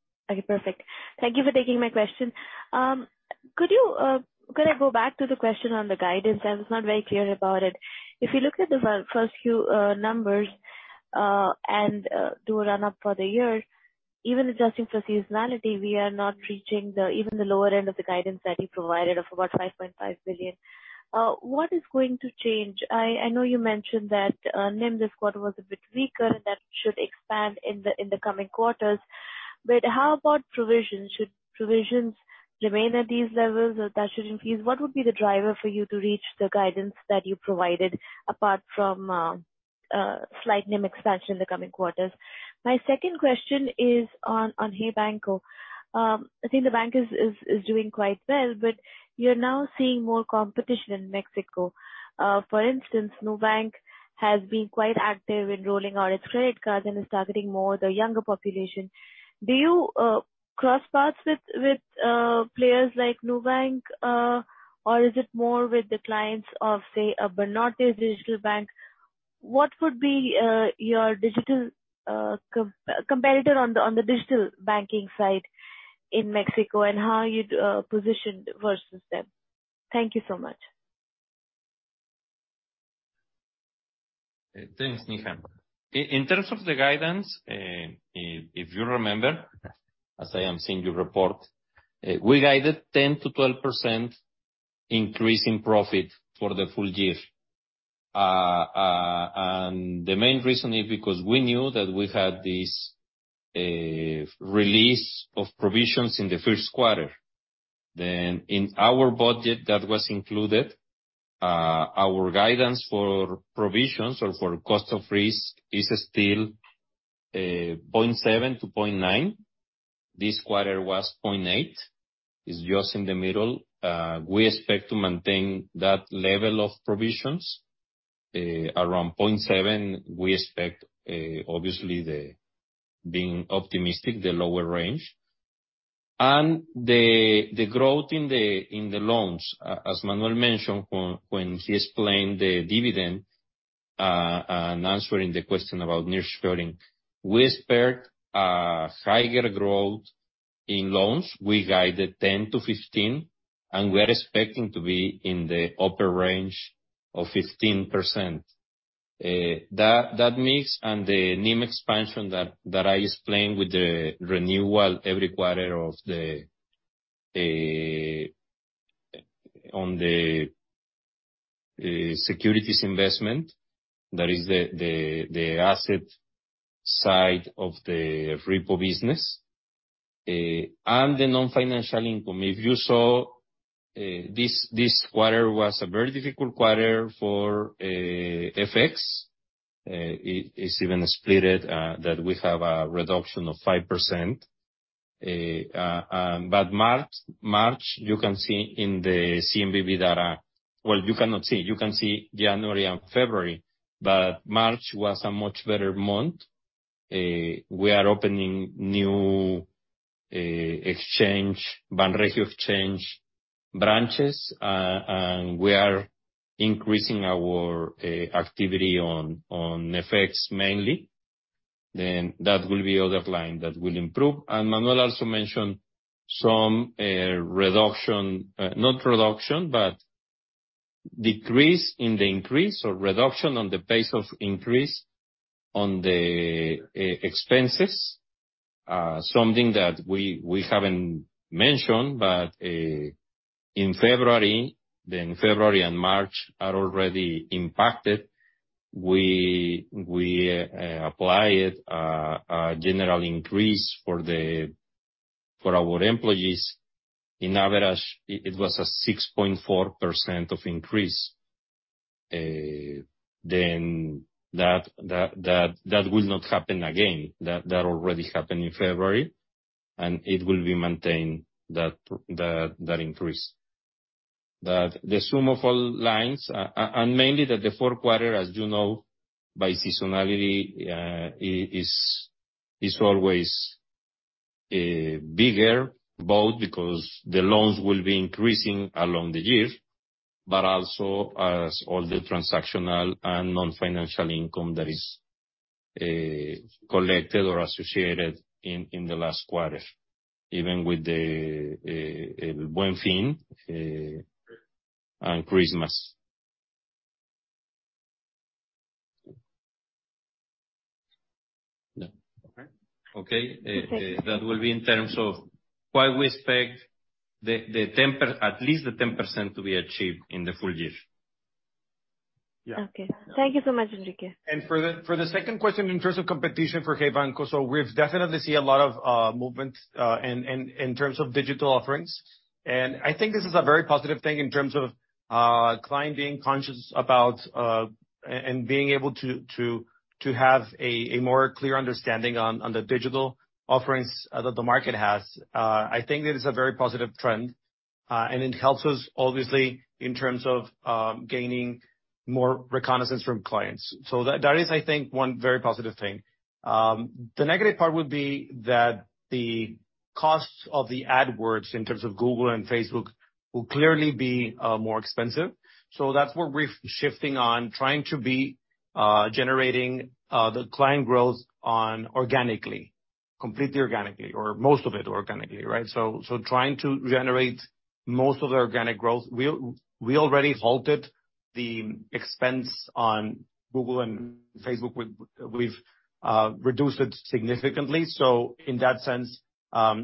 Perfect. Thank you for taking my question. Could I go back to the question on the guidance? I was not very clear about it. If you look at the first few numbers, do a run up for the year, even adjusting for seasonality, we are not reaching the, even the lower end of the guidance that you provided of about 5.5 billion. What is going to change? I know you mentioned that NIM this quarter was a bit weaker, and that should expand in the coming quarters. How about provisions? Should provisions remain at these levels or that should increase? What would be the driver for you to reach the guidance that you provided apart from a slight NIM expansion in the coming quarters? My second question is on Hey Banco. I think the bank is doing quite well. You're now seeing more competition in Mexico. For instance, Nubank has been quite active in rolling out its credit card and is targeting more the younger population. Do you cross paths with players like Nubank? Or is it more with the clients of, say, a Banorte digital bank? What would be your digital competitor on the digital banking side in Mexico, and how are you positioned versus them? Thank you so much. Thanks, Neha. In terms of the guidance, if you remember, as I am seeing your report, we guided 10%-12% increase in profit for the full year. The main reason is because we knew that we had this release of provisions in the Q1. In our budget, that was included. Our guidance for provisions or for cost of risk is still 0.7-0.9. This quarter was 0.8. It's just in the middle. We expect to maintain that level of provisions around 0.7. We expect, obviously being optimistic, the lower range. The growth in the loans, as Manuel mentioned when he explained the dividend, and answering the question about Nearshoring, we expect higher growth in loans. We guided 10-15, we're expecting to be in the upper range of 15%. That mix and the NIM expansion that I explained with the renewal every quarter of the on the securities investment, that is the asset side of the repo business and the non-financial income. If you saw, this quarter was a very difficult quarter for FX. It is even split that we have a reduction of 5%. March you can see in the CNBV data. Well, you cannot see. You can see January and February, March was a much better month. We are opening new Exchange Banregio branches. We are increasing our activity on effects mainly. That will be other line that will improve. Manuel also mentioned some reduction, not reduction, but decrease in the increase or reduction on the pace of increase on the expenses. Something that we haven't mentioned, but in February and March are already impacted. We apply it a general increase for the for our employees. In average, it was a 6.4% of increase. That will not happen again. That already happened in February, and it will be maintained, that increase. The sum of all lines, and mainly that the Q4, as you know, by seasonality, is always bigger, both because the loans will be increasing along the year, but also as all the transactional and non-financial income that is collected or associated in the last quarter. Even with the El Buen Fin and Christmas. Yeah. Okay. Okay. Thank you. That will be in terms of why we expect at least the 10% to be achieved in the full year. Okay. Thank you so much, Enrique. For the second question in terms of competition for Hey Banco, we've definitely see a lot of movement in terms of digital offerings. I think this is a very positive thing in terms of client being conscious about and being able to have a more clear understanding on the digital offerings that the market has. I think that is a very positive trend. It helps us obviously in terms of gaining more reconnaissance from clients. That is, I think, one very positive thing. The negative part would be that the costs of the Google Ads in terms of Google and Facebook will clearly be more expensive. That's what we're shifting on, trying to be generating the client growth on organically. Completely organically or most of it organically, right? Trying to generate most of the organic growth. We already halted the expense on Google and Facebook. We've reduced it significantly. In that sense,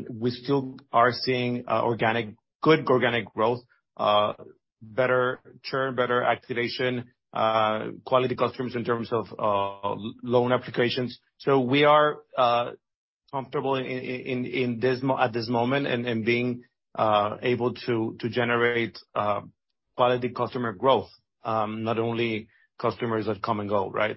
we still are seeing good organic growth, better churn, better activation, quality customers in terms of loan applications. We are comfortable in this moment and being able to generate quality customer growth, not only customers that come and go, right?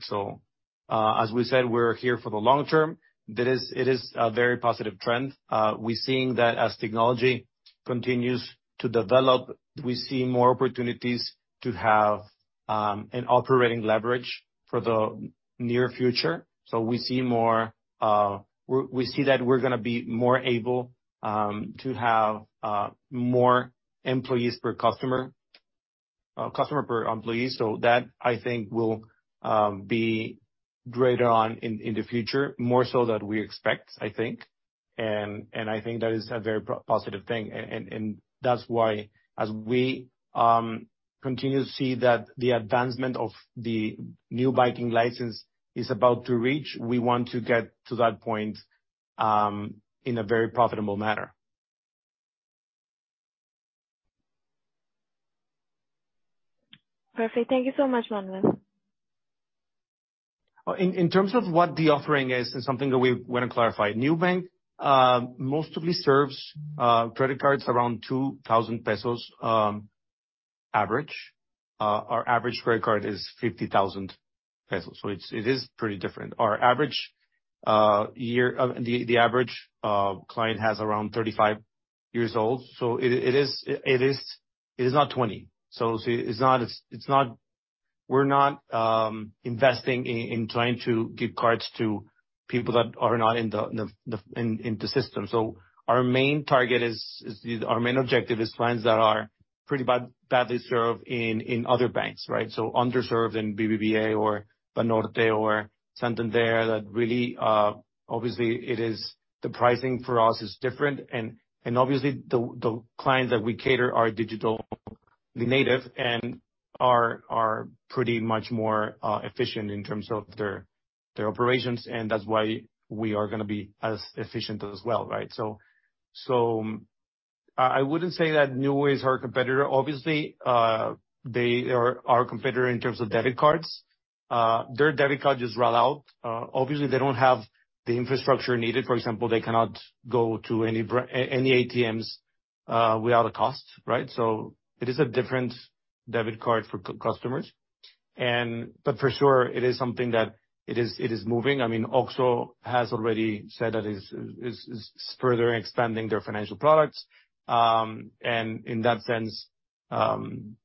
As we said, we're here for the long term. It is a very positive trend. We're seeing that as technology continues to develop, we see more opportunities to have an operating leverage for the near future. We see more and we see that we're gonna be more able to have more employees per customer per employee. That I think will be greater on in the future, more so that we expect, I think. I think that is a very positive thing. That's why as we continue to see that the advancement of the new banking license is about to reach, we want to get to that point in a very profitable manner. Perfect. Thank you so much, Manuel. In terms of what the offering is, it's something that we wanna clarify. Nubank mostly serves credit cards around 2,000 pesos average. Our average credit card is 50,000 pesos. It is pretty different. Our average client has around 35 years old, it is not 20. It's not. We're not investing in trying to give cards to people that are not in the system. Our main objective is clients that are pretty badly served in other banks, right? Underserved in BBVA or Banorte or something there that really obviously. The pricing for us is different. Obviously, the clients that we cater are digitally native and are pretty much more efficient in terms of their operations, and that's why we are gonna be as efficient as well, right? I wouldn't say that Nubank is our competitor. Obviously, they are our competitor in terms of debit cards. Their debit card just rolled out. Obviously, they don't have the infrastructure needed. For example, they cannot go to any ATMs without a cost, right? It is a different debit card for customers. For sure it is something that. It is moving. I mean, OXXO has already said that it's further expanding their financial products. In that sense,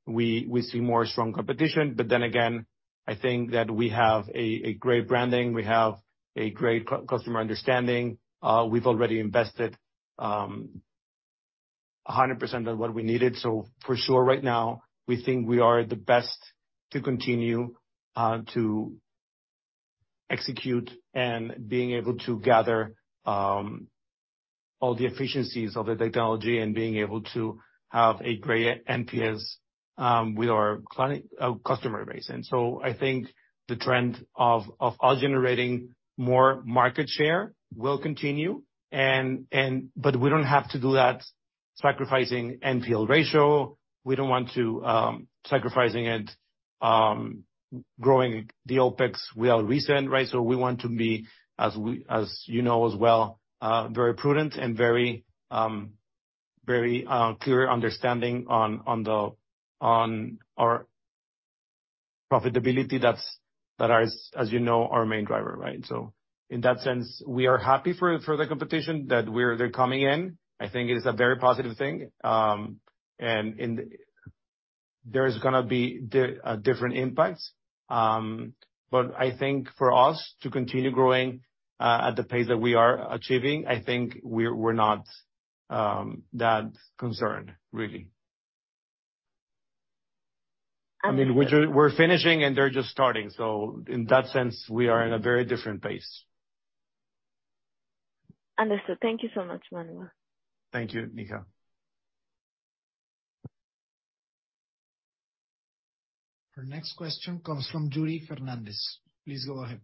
we see more strong competition. Again, I think that we have a great branding. We have a great customer understanding. We've already invested 100% of what we needed. For sure right now, we think we are the best to continue to execute and being able to gather all the efficiencies of the technology and being able to have a great NPS with our client customer base. I think the trend of us generating more market share will continue and we don't have to do that sacrificing NPL ratio. We don't want to sacrifice it, growing the OPEX without reason, right? We want to be, as you know as well, very prudent and very, very clear understanding on our profitability. That's, that is, as you know, our main driver, right? In that sense, we are happy for the competition that they're coming in. I think it is a very positive thing. And there's gonna be different impacts. But I think for us to continue growing at the pace that we are achieving, I think we're not that concerned really. Understood. I mean, we're finishing, and they're just starting. In that sense, we are in a very different pace. Understood. Thank you so much, Manuel. Thank you, Neha. Our next question comes from Yuri Fernandes. Please go ahead.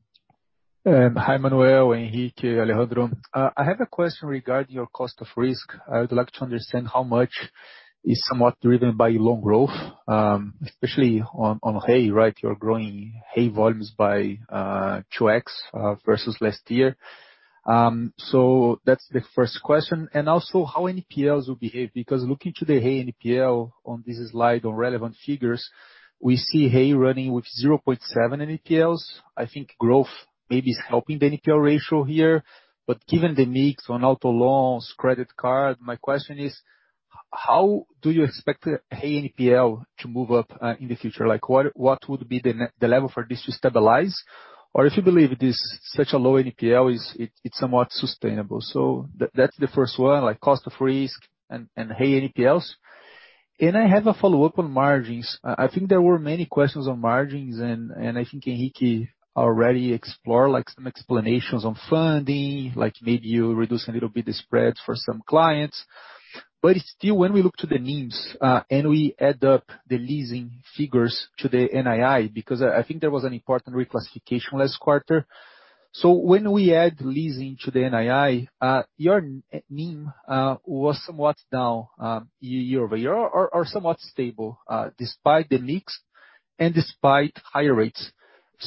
Hi, Manuel, Enrique, Alejandro. I have a question regarding your cost of risk. I would like to understand how much is somewhat driven by loan growth, especially on Hey, right? You're growing Hey volumes by 2x versus last year. That's the first question. Also how NPLs will behave, because looking to the Hey NPL on this slide on relevant figures, we see Hey running with 0.7 NPLs. I think growth maybe is helping the NPL ratio here, but given the mix on auto loans, credit card, my question is: How do you expect the Hey NPL to move up in the future? What would be the level for this to stabilize? If you believe this such a low NPL is it's somewhat sustainable. That's the first one, like cost of risk and Hey NPLs. I have a follow-up on margins. I think there were many questions on margins and I think Enrique already explore like some explanations on funding, like maybe you reduce a little bit the spreads for some clients. Still, when we look to the NIMs, and we add up the leasing figures to the NII, because I think there was an important reclassification last quarter. When we add leasing to the NII, your NIM was somewhat down year-over-year or somewhat stable despite the mix and despite higher rates.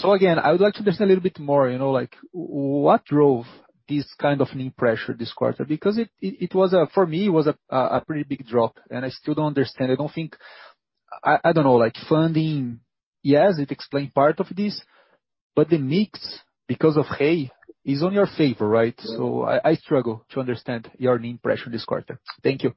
Again, I would like to understand a little bit more, you know, like what drove this kind of NIM pressure this quarter? It was a pretty big drop. I still don't understand. I don't know, like funding, yes, it explained part of this, but the mix, because of Hey, is on your favor, right? I struggle to understand your NIM pressure this quarter. Thank you.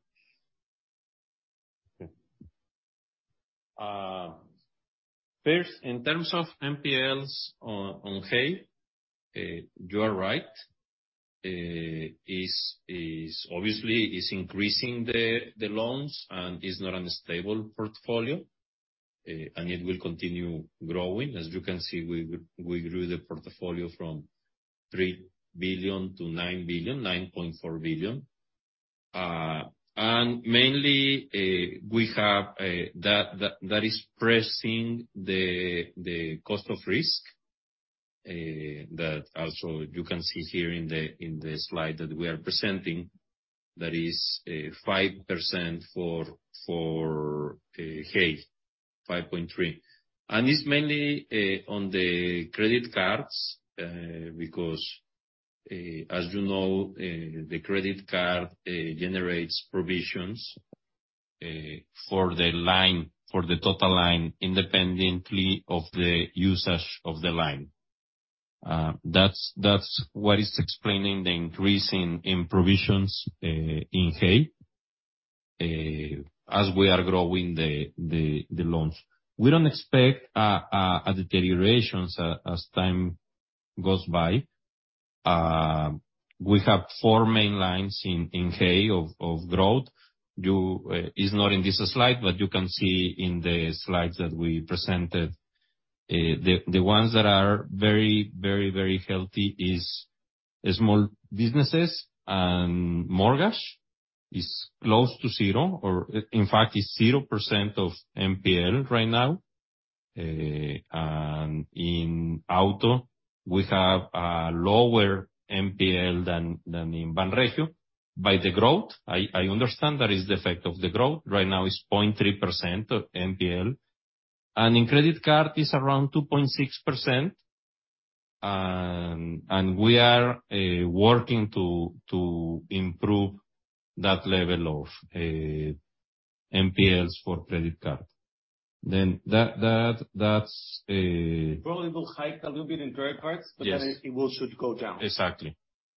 First, in terms of NPLs on Hey, you are right. Is obviously increasing the loans and is not a stable portfolio. It will continue growing. As you can see, we grew the portfolio from 3 billion to 9 billion, 9.4 billion. Mainly, we have that is pressing the cost of risk that also you can see here in the slide that we are presenting, that is 5% for Hey, 5.3%. It's mainly on the credit cards because as you know, the credit card generates provisions for the line, for the total line, independently of the usage of the line. That's what is explaining the increase in provisions in Hey as we are growing the loans. We don't expect a deterioration as time goes by. We have four main lines in Hey of growth. You, it's not in this slide, but you can see in the slides that we presented. The ones that are very healthy is the small businesses and mortgage is close to zero, or in fact is 0% of NPL right now. In auto, we have a lower NPL than in Banregio. By the growth, I understand that is the effect of the growth. Right now it's 0.3% of NPL. In credit card, it's around 2.6%. We are working to improve that level of NPLs for credit card. Probably will hike a little bit in credit cards. Yes. It will should go down. Exactly.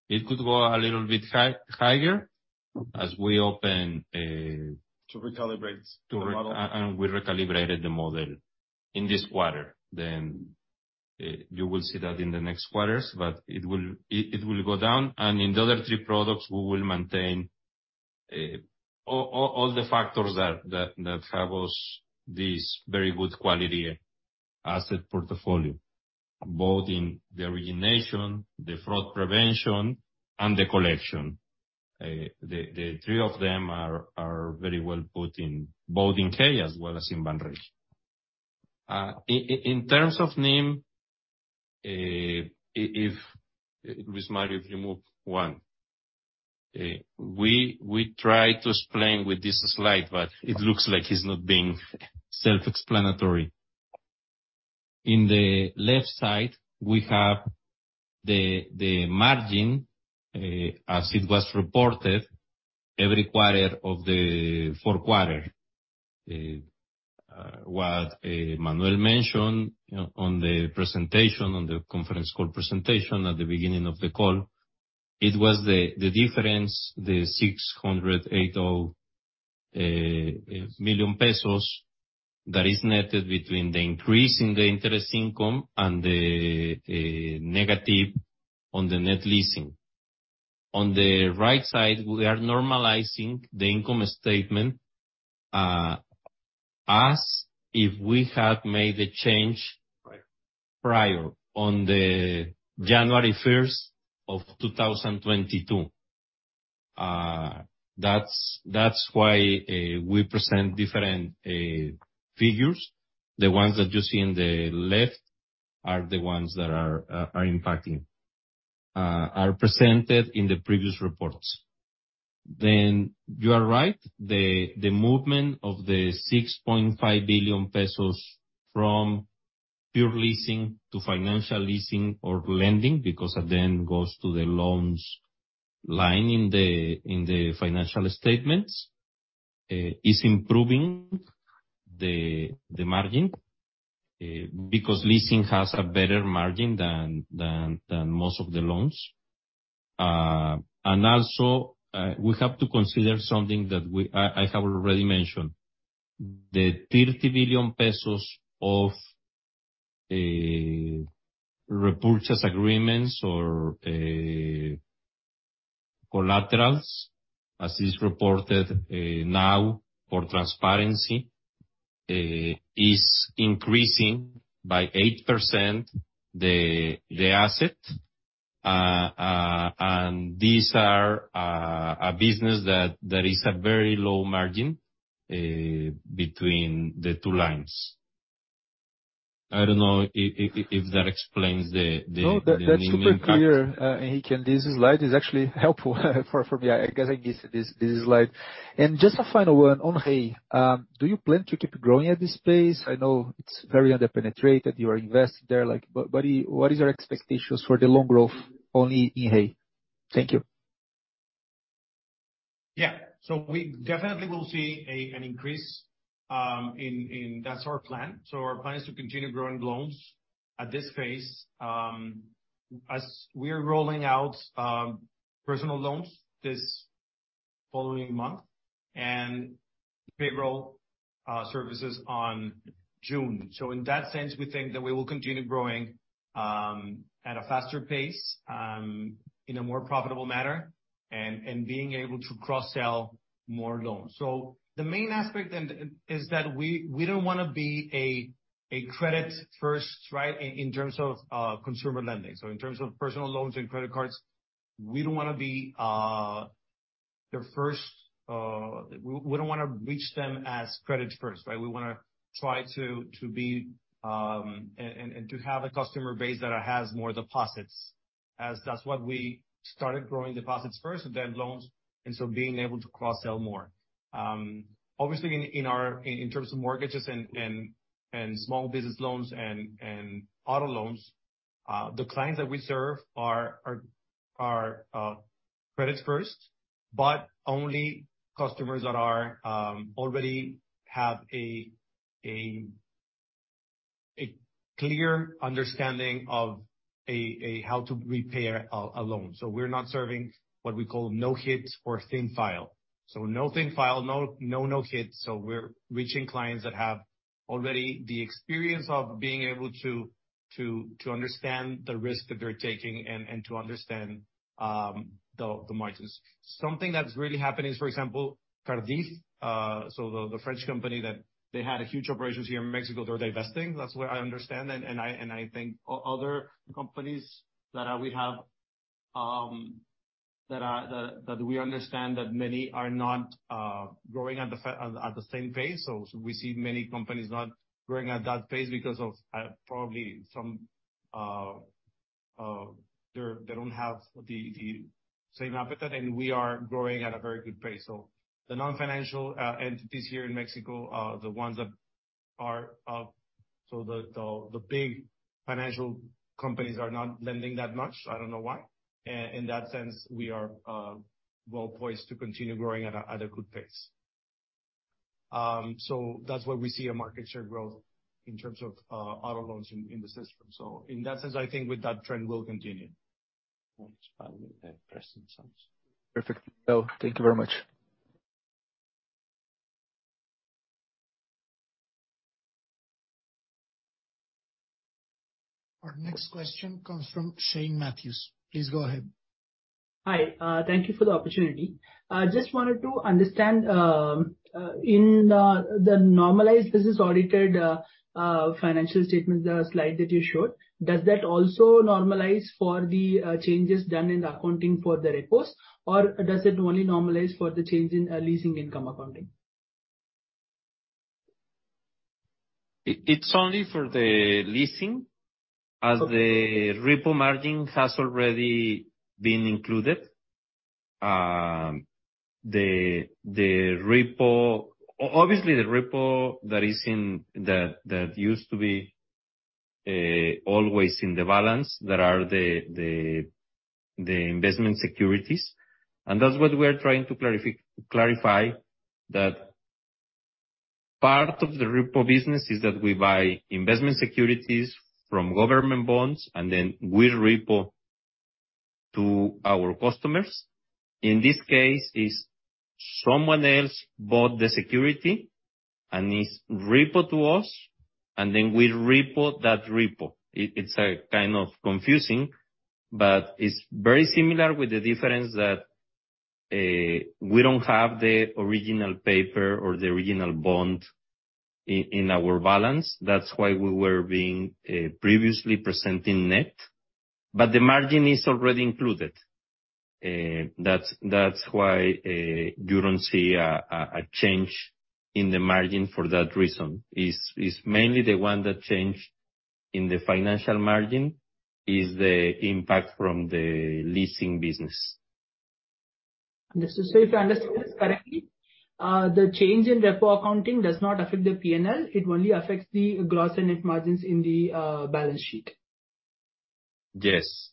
It could go a little bit higher as we open to recalibrate the model. We recalibrated the model in this quarter. You will see that in the next quarters, but it will go down. In the other three products, we will maintain all the factors that have us this very good quality asset portfolio, both in the origination, the fraud prevention, and the collection. The three of them are very well put in, both in Hey as well as in Banregio. In terms of NIM, if, Luis Mario, if you move one. We try to explain with this slide, but it looks like it's not being self-explanatory. In the left side, we have the margin as it was reported every quarter of the Q4. What Manuel mentioned on the presentation, on the conference call presentation at the beginning of the call, it was the difference, the 680 million pesos that is netted between the increase in the interest income and the negative on the net leasing. On the right side, we are normalizing the income statement as if we had made the change prior on January 1, 2022. That's why we present different figures. The ones that you see on the left are the ones that are impacting, are presented in the previous reports. You are right. The movement of the 6.5 billion pesos from pure leasing to financial leasing or lending, because that then goes to the loans line in the financial statements, is improving the margin, because leasing has a better margin than most of the loans. Also, we have to consider something that I have already mentioned. The 30 billion pesos of repurchase agreements or collaterals, as is reported now for transparency, is increasing by 8% the asset. And these are a business that is a very low margin between the two lines. I don't know if that explains. No, that's super clear, Enrique. This slide is actually helpful for me. I guess I missed this slide. Just a final one. On Hey, do you plan to keep growing at this pace? I know it's very under-penetrated. You are investing there, like, but what is your expectations for the loan growth only in Hey? Thank you. Yeah. We definitely will see an increase. That's our plan. Our plan is to continue growing loans at this phase as we are rolling out personal loans this following month and payroll services on June. In that sense, we think that we will continue growing at a faster pace in a more profitable manner and being able to cross-sell more loans. The main aspect then is that we don't wanna be a credit first, right, in terms of consumer lending. In terms of personal loans and credit cards, we don't want be the first. We don't wanna reach them as credits first, right? We wanna try to be and to have a customer base that has more deposits, as that's what we started growing deposits first and then loans, being able to cross-sell more. Obviously in our terms of mortgages and small business loans and auto loans, the clients that we serve are credits first, but only customers that are already have a clear understanding of how to repay a loan. We're not serving what we call No-Hit or Thin File. No Thin File, no No-Hit, we're reaching clients that have already the experience of being able to understand the risk that they're taking and to understand the margins. Something that's really happening is, for example, Cardif, so the French company that they had huge operations here in Mexico, they're divesting. That's what I understand. I think other companies that we have that we understand that many are not growing at the same pace. We see many companies not growing at that pace because of probably some they don't have the same appetite, and we are growing at a very good pace. The non-financial entities here in Mexico are the ones that are. The big financial companies are not lending that much. I don't know why. In that sense, we are well poised to continue growing at a good pace. That's why we see a market share growth in terms of auto loans in the system. In that sense, I think with that trend will continue. Perfect. No, thank you very much. Our next question comes from Shane Matthews. Please go ahead. Hi, thank you for the opportunity. I just wanted to understand, in the normalized business audited financial statement, the slide that you showed, does that also normalize for the changes done in the accounting for the repos? Or does it only normalize for the change in leasing income accounting? It's only for the leasing- Okay. As the repo margin has already been included. The repo obviously the repo that is in That used to be always in the balance, that are the investment securities, and that's what we are trying to clarify, that part of the repo business is that we buy investment securities from government bonds and then we repo to our customers. In this case, it's someone else bought the security and is repo to us, and then we repo that repo. It's kind of confusing, but it's very similar with the difference that we don't have the original paper or the original bond in our balance. That's why we were being previously presenting net. The margin is already included. That's why you don't see a change in the margin for that reason. It's mainly the one that changed in the financial margin is the impact from the leasing business. Just so if I understand this correctly, the change in repo accounting does not affect the P&L. It only affects the gross and net margins in the balance sheet. Yes.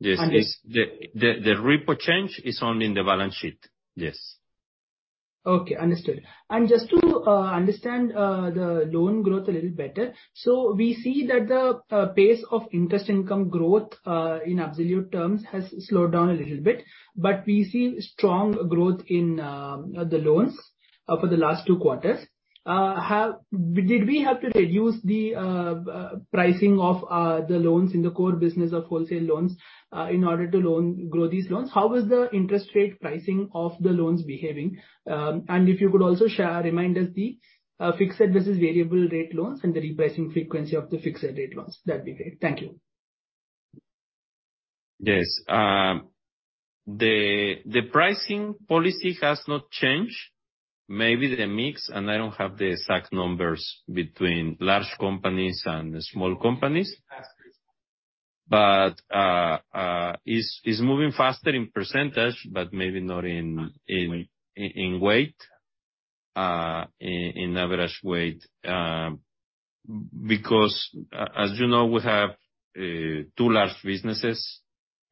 Yes. Understood. It's the repo change is only in the balance sheet. Yes. Okay, understood. Just to understand the loan growth a little better. We see that the pace of interest income growth in absolute terms has slowed down a little bit. We see strong growth in the loans for the last two quarters. Did we have to reduce the pricing of the loans in the core business of wholesale loans in order to grow these loans? How was the interest rate pricing of the loans behaving? If you could also share, remind us the fixed versus variable rate loans and the repricing frequency of the fixed rate loans, that'd be great. Thank you. Yes. The pricing policy has not changed. Maybe the mix, I don't have the exact numbers between large companies and small companies. Is moving faster in percentage, but maybe not in weight, in average weight. Because as you know, we have two large businesses,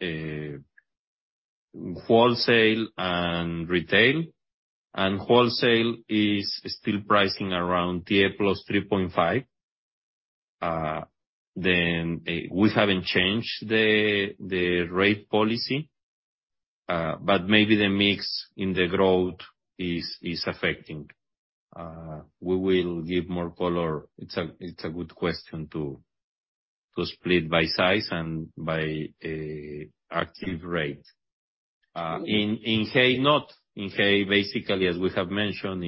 wholesale and retail, wholesale is still pricing around TIIE + 3.5. We haven't changed the rate policy, maybe the mix in the growth is affecting. We will give more color. It's a good question to split by size and by active rate. In Hey, not. In Hey, basically, as we have mentioned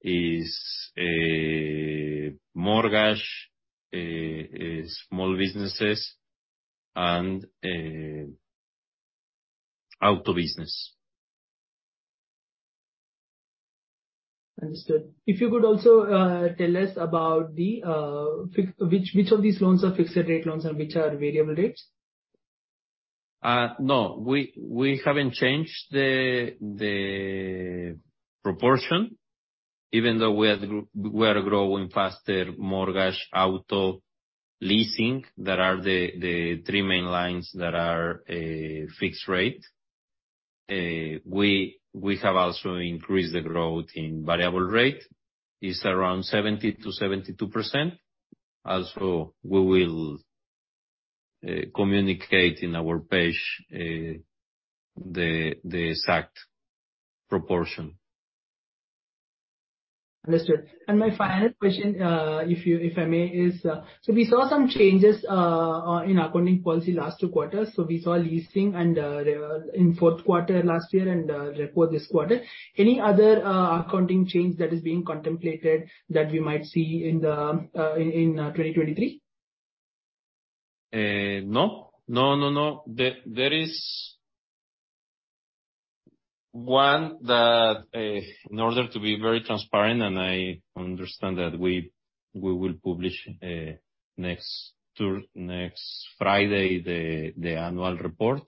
is mortgage, small businesses and auto business. Understood. If you could also tell us about Which of these loans are fixed rate loans and which are variable rates? No. We haven't changed the proportion. Even though we are growing faster mortgage, auto, leasing, that are the three main lines that are fixed rate. We have also increased the growth in variable rate. It's around 70%-72%. Also, we will communicate in our page the exact proportion. Understood. My final question, if you, if I may, is, we saw some changes in accounting policy last two quarters. We saw leasing and, in Q4 last year and, report this quarter. Any other accounting change that is being contemplated that we might see in 2023? No. No, no. There is one that, in order to be very transparent, and I understand that we will publish next Friday, the annual report.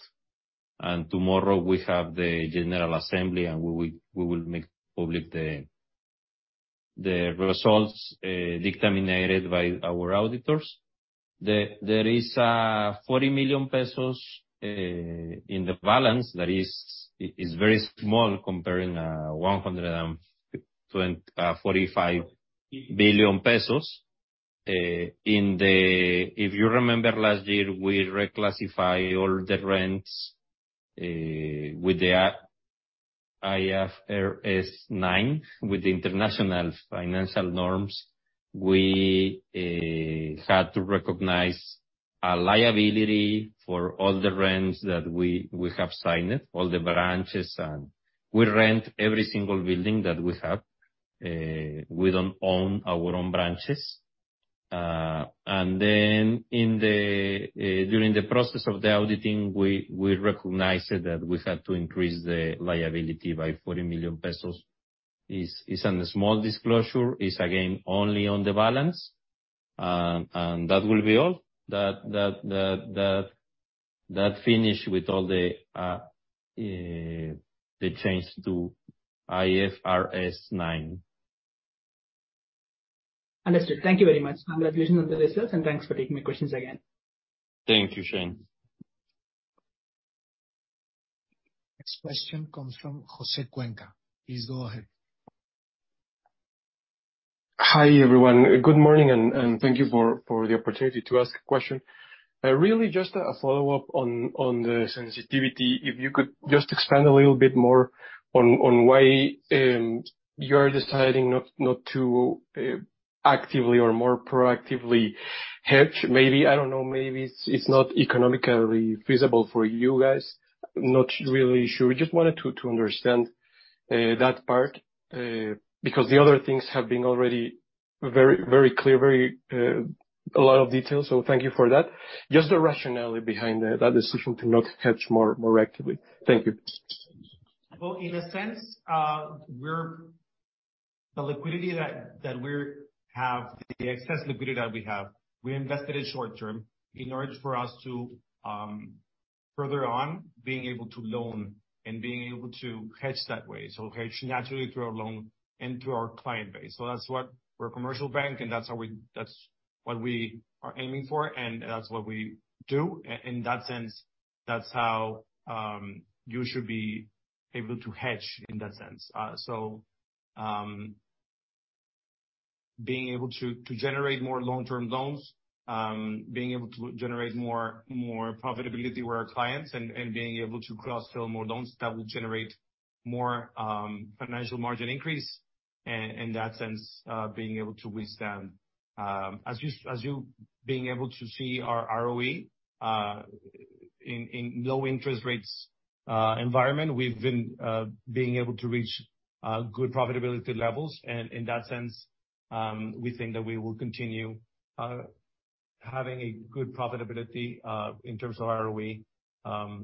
Tomorrow we have the general assembly, and we will make public the results dictated by our auditors. There is 40 million pesos in the balance. That is, it is very small comparing 145 billion pesos. If you remember last year, we reclassify all the rents, with the IFRS 9, with the International Financial Norms. We had to recognize a liability for all the rents that we have signed, all the branches, and we rent every single building that we have. We don't own our own branches. In the during the process of the auditing, we recognized that we had to increase the liability by 40 million pesos. It's on a small disclosure. It's again, only on the balance. That will be all. That finish with all the change to IFRS 9. Understood. Thank you very much. Congratulations on the results. Thanks for taking my questions again. Thank you, Shane. Next question comes from Jose Cuenca. Please go ahead. Hi, everyone. Good morning, and thank you for the opportunity to ask a question. Really just a follow-up on the sensitivity. If you could just expand a little bit more on why you're deciding not to actively or more proactively hedge. Maybe, I don't know, maybe it's not economically feasible for you guys. Not really sure. We just wanted to understand that part because the other things have been already very clear, very a lot of details. Thank you for that. Just the rationale behind that decision to not hedge more actively. Thank you. Well, in a sense, the liquidity that we're have, the excess liquidity that we have, we invested in short term in order for us to further on being able to loan and being able to hedge that way, so hedge naturally through our loan and through our client base. That's what. We're a commercial bank, and that's how we, that's what we are aiming for, and that's what we do. In that sense, that's how you should be able to hedge in that sense. Being able to generate more long term loans, being able to generate more profitability with our clients and being able to cross-sell more loans that will generate more financial margin increase. In that sense, being able to withstand, as you being able to see our ROE, in low interest rates environment, we've been being able to reach good profitability levels. In that sense, we think that we will continue having a good profitability in terms of ROE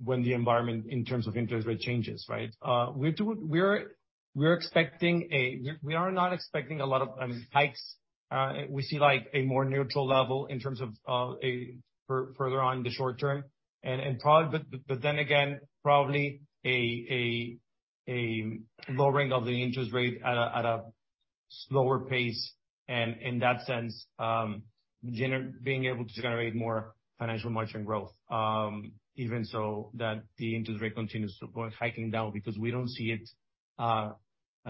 when the environment in terms of interest rate changes, right? We're expecting we are not expecting a lot of hikes. We see like a more neutral level in terms of a further on the short term. Probably a lowering of the interest rate at a slower pace, and in that sense, being able to generate more financial margin growth, even so that the interest rate continues to go hiking down because we don't see it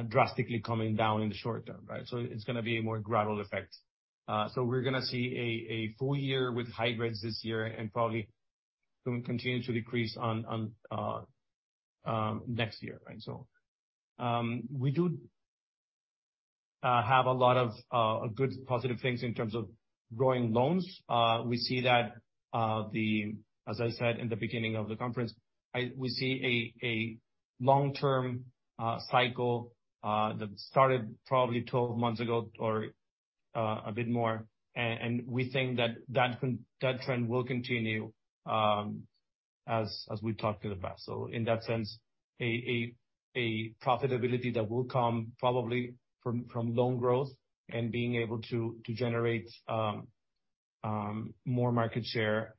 drastically coming down in the short term, right? It's gonna be a more gradual effect. We're gonna see a full year with high rates this year and probably going to continue to decrease on next year, right? We do have a lot of good positive things in terms of growing loans. We see that, as I said in the beginning of the conference, we see a long-term cycle that started probably 12 months ago or a bit more. We think that that trend will continue, as we talked in the past. In that sense, a profitability that will come probably from loan growth and being able to generate, more market share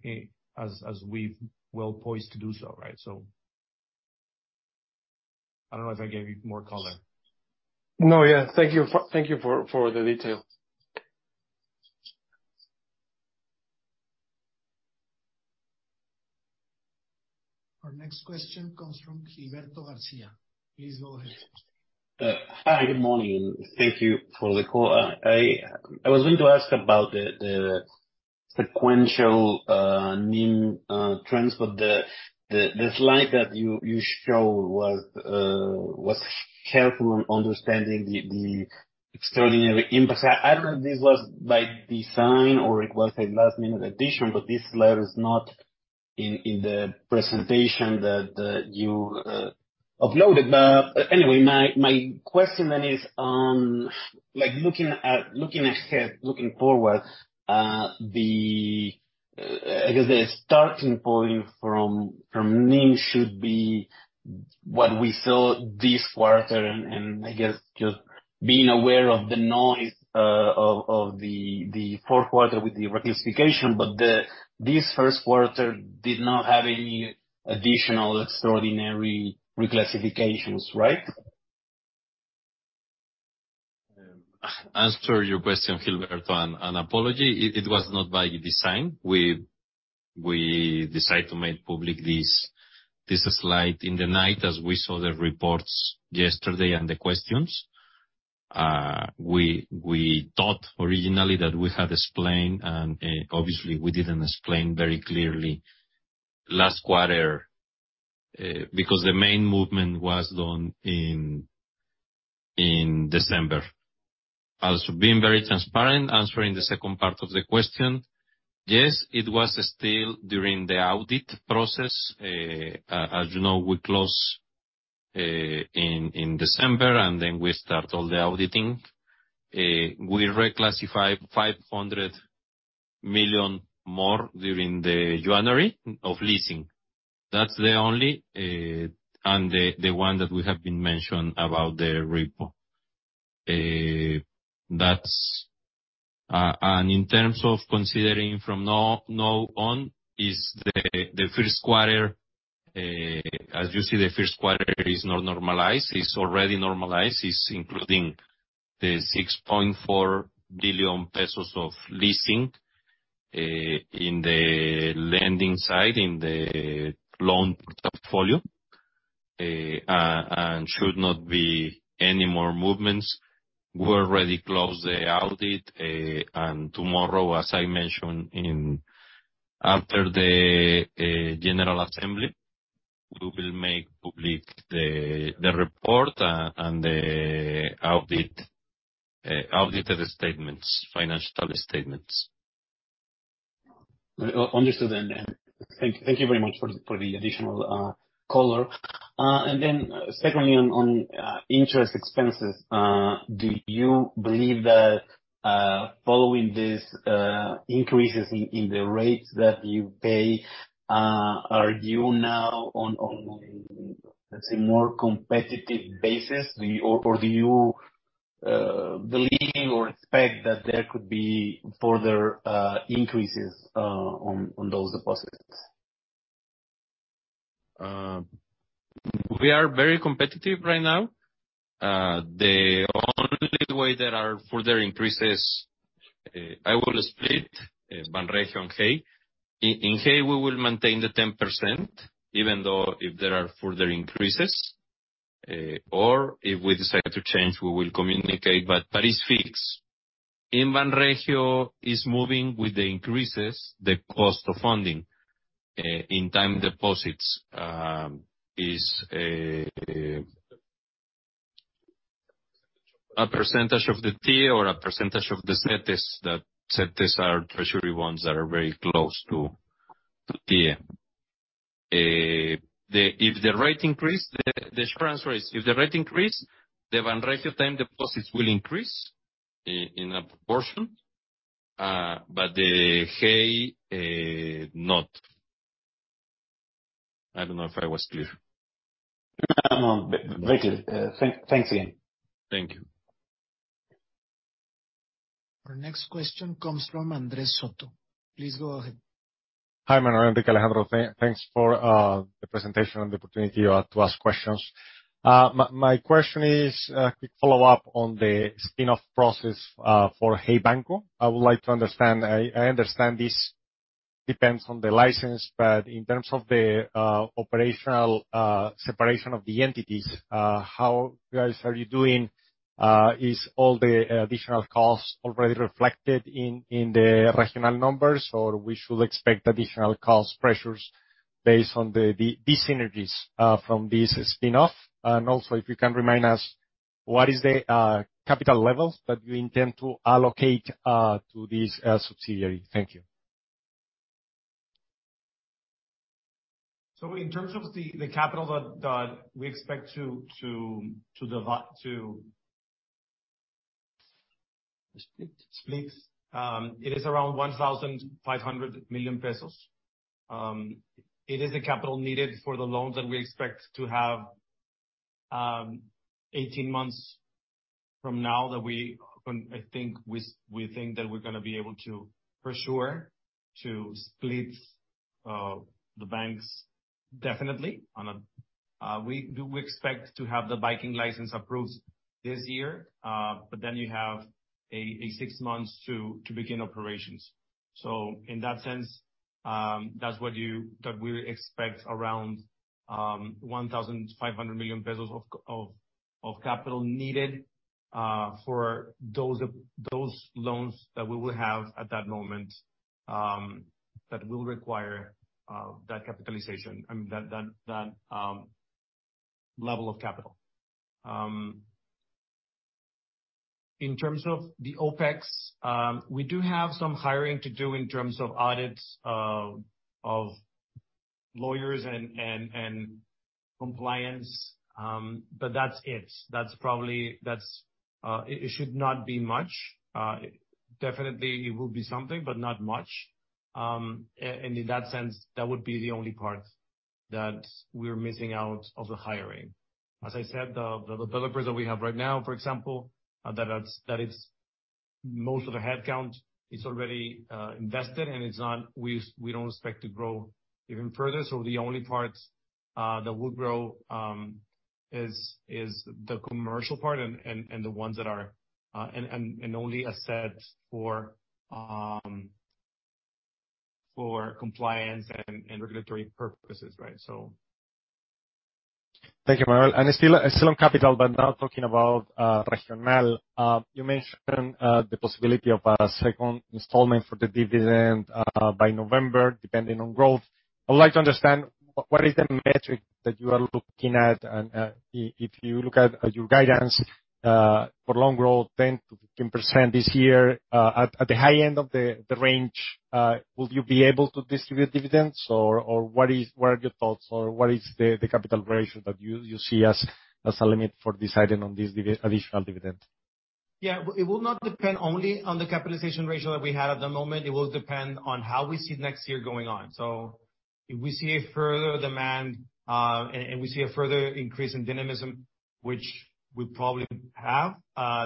as we've well-poised to do so, right? So... I don't know if that gave you more color. No, yeah. Thank you. Thank you for the detail. Our next question comes from Gilberto Garcia. Please go ahead. Hi, good morning. Thank you for the call. I was going to ask about the sequential NIM trends, but the slide that you showed was helpful on understanding the extraordinary impact. I don't know if this was by design or it was a last-minute addition, but this slide is not in the presentation that you uploaded. Anyway, my question then is, like, looking ahead, looking forward, the, I guess the starting point from NIM should be what we saw this quarter, and I guess just being aware of the noise of the Q4 with the reclassification, this Q1 did not have any additional extraordinary reclassifications, right? Answer your question, Gilberto, and an apology. It was not by design. We decided to make public this slide in the night as we saw the reports yesterday and the questions. We thought originally that we had explained, obviously we didn't explain very clearly last quarter, because the main movement was done in December. Being very transparent, answering the second part of the question, yes, it was still during the audit process. As you know, we closed in December, we start all the auditing. We reclassified 500 million more during the January of leasing. That's the only, the one that we have been mentioned about the repo. In terms of considering from now on is the Q1, as you see, the Q1 is not normalized. It's already normalized. It's including the 6.4 billion pesos of leasing in the lending side, in the loan portfolio. Should not be any more movements. We're already closed the audit. Tomorrow, as I mentioned after the general assembly, we will make public the report and the audit audited statements, financial statements. Understood. Thank you very much for the additional color. Then secondly on interest expenses, do you believe that following these increases in the rates that you pay, are you now on let's say, more competitive basis? Or do you believe or expect that there could be further increases on those deposits? We are very competitive right now. The only way there are further increases- I will split Banregio and Hey. In Hey, we will maintain the 10%, even though if there are further increases or if we decide to change, we will communicate, but that is fixed. Banregio is moving with the increases, the cost of funding in time deposits is a percentage of the TIIE or a percentage of the certificates that are treasury ones that are very close to TIIE. If the rate increase, the insurance rates, if the rate increase, the Banregio time deposits will increase in a proportion, but the Hey not. I don't know if I was clear. No, no, very clear. Thanks again. Thank you. Our next question comes from Andres Soto. Please go ahead. Hi, Manuel and Alejandro. Thanks for the presentation and the opportunity to ask questions. My question is a quick follow-up on the spin-off process for Hey Banco. I would like to understand. I understand this depends on the license, but in terms of the operational separation of the entities, how guys are you doing? Is all the additional costs already reflected in the Regional numbers? Should we expect additional cost pressures based on these synergies from this spin-off? Also, if you can remind us what is the capital levels that you intend to allocate to this subsidiary? Thank you. In terms of the capital that we expect to split, it is around 1,500 million pesos. It is the capital needed for the loans that we expect to have 18 months from now that we think that we're gonna be able to split the banks definitely. We expect to have the banking license approved this year, but then you have six months to begin operations. In that sense, that's what we expect around 1,500 million pesos of capital needed for those loans that we will have at that moment that will require that capitalization and that level of capital. In terms of the OPEX, we do have some hiring to do in terms of audits, of lawyers and compliance, but that's it. That's it should not be much. Definitely it will be something, but not much. In that sense, that would be the only part that we're missing out of the hiring. As I said, the developers that we have right now, for example, most of the headcount is already invested, we don't expect to grow even further. The only part that would grow is the commercial part and the ones that are only a set for compliance and regulatory purposes, right? Thank you, Manuel. Still on capital, but now talking about Regional. You mentioned the possibility of a 2nd installment for the dividend by November, depending on growth. I'd like to understand what is the metric that you are looking at? If you look at your guidance for loan growth, 10%-15% this year, at the high end of the range, will you be able to distribute dividends or what are your thoughts or what is the capital ratio that you see as a limit for deciding on this additional dividend? Yeah. It will not depend only on the capitalization ratio that we have at the moment. It will depend on how we see next year going on. If we see a further demand, and we see a further increase in dynamism, which we probably have,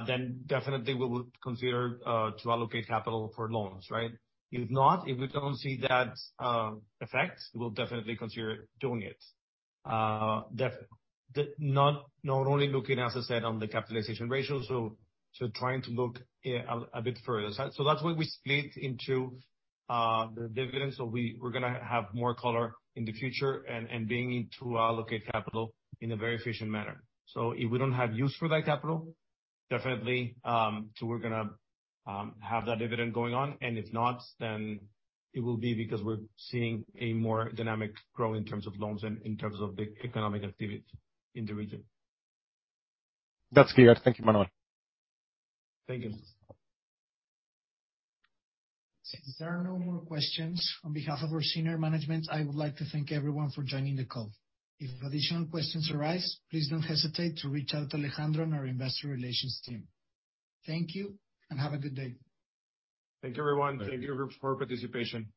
then definitely we would consider to allocate capital for loans, right? If not, if we don't see that effect, we'll definitely consider doing it. Not only looking, as I said, on the capitalization ratio, so trying to look a bit further. That's why we split into the dividends. We're gonna have more color in the future and being to allocate capital in a very efficient manner. If we don't have use for that capital, definitely, so we're gonna have that dividend going on, and if not, then it will be because we're seeing a more dynamic growth in terms of loans and in terms of the economic activity in the region. That's clear. Thank you, Manuel. Thank you. Since there are no more questions, on behalf of our senior management, I would like to thank everyone for joining the call. If additional questions arise, please don't hesitate to reach out to Alejandro and our investor relations team. Thank you, and have a good day. Thank you, everyone. Thank you for your participation.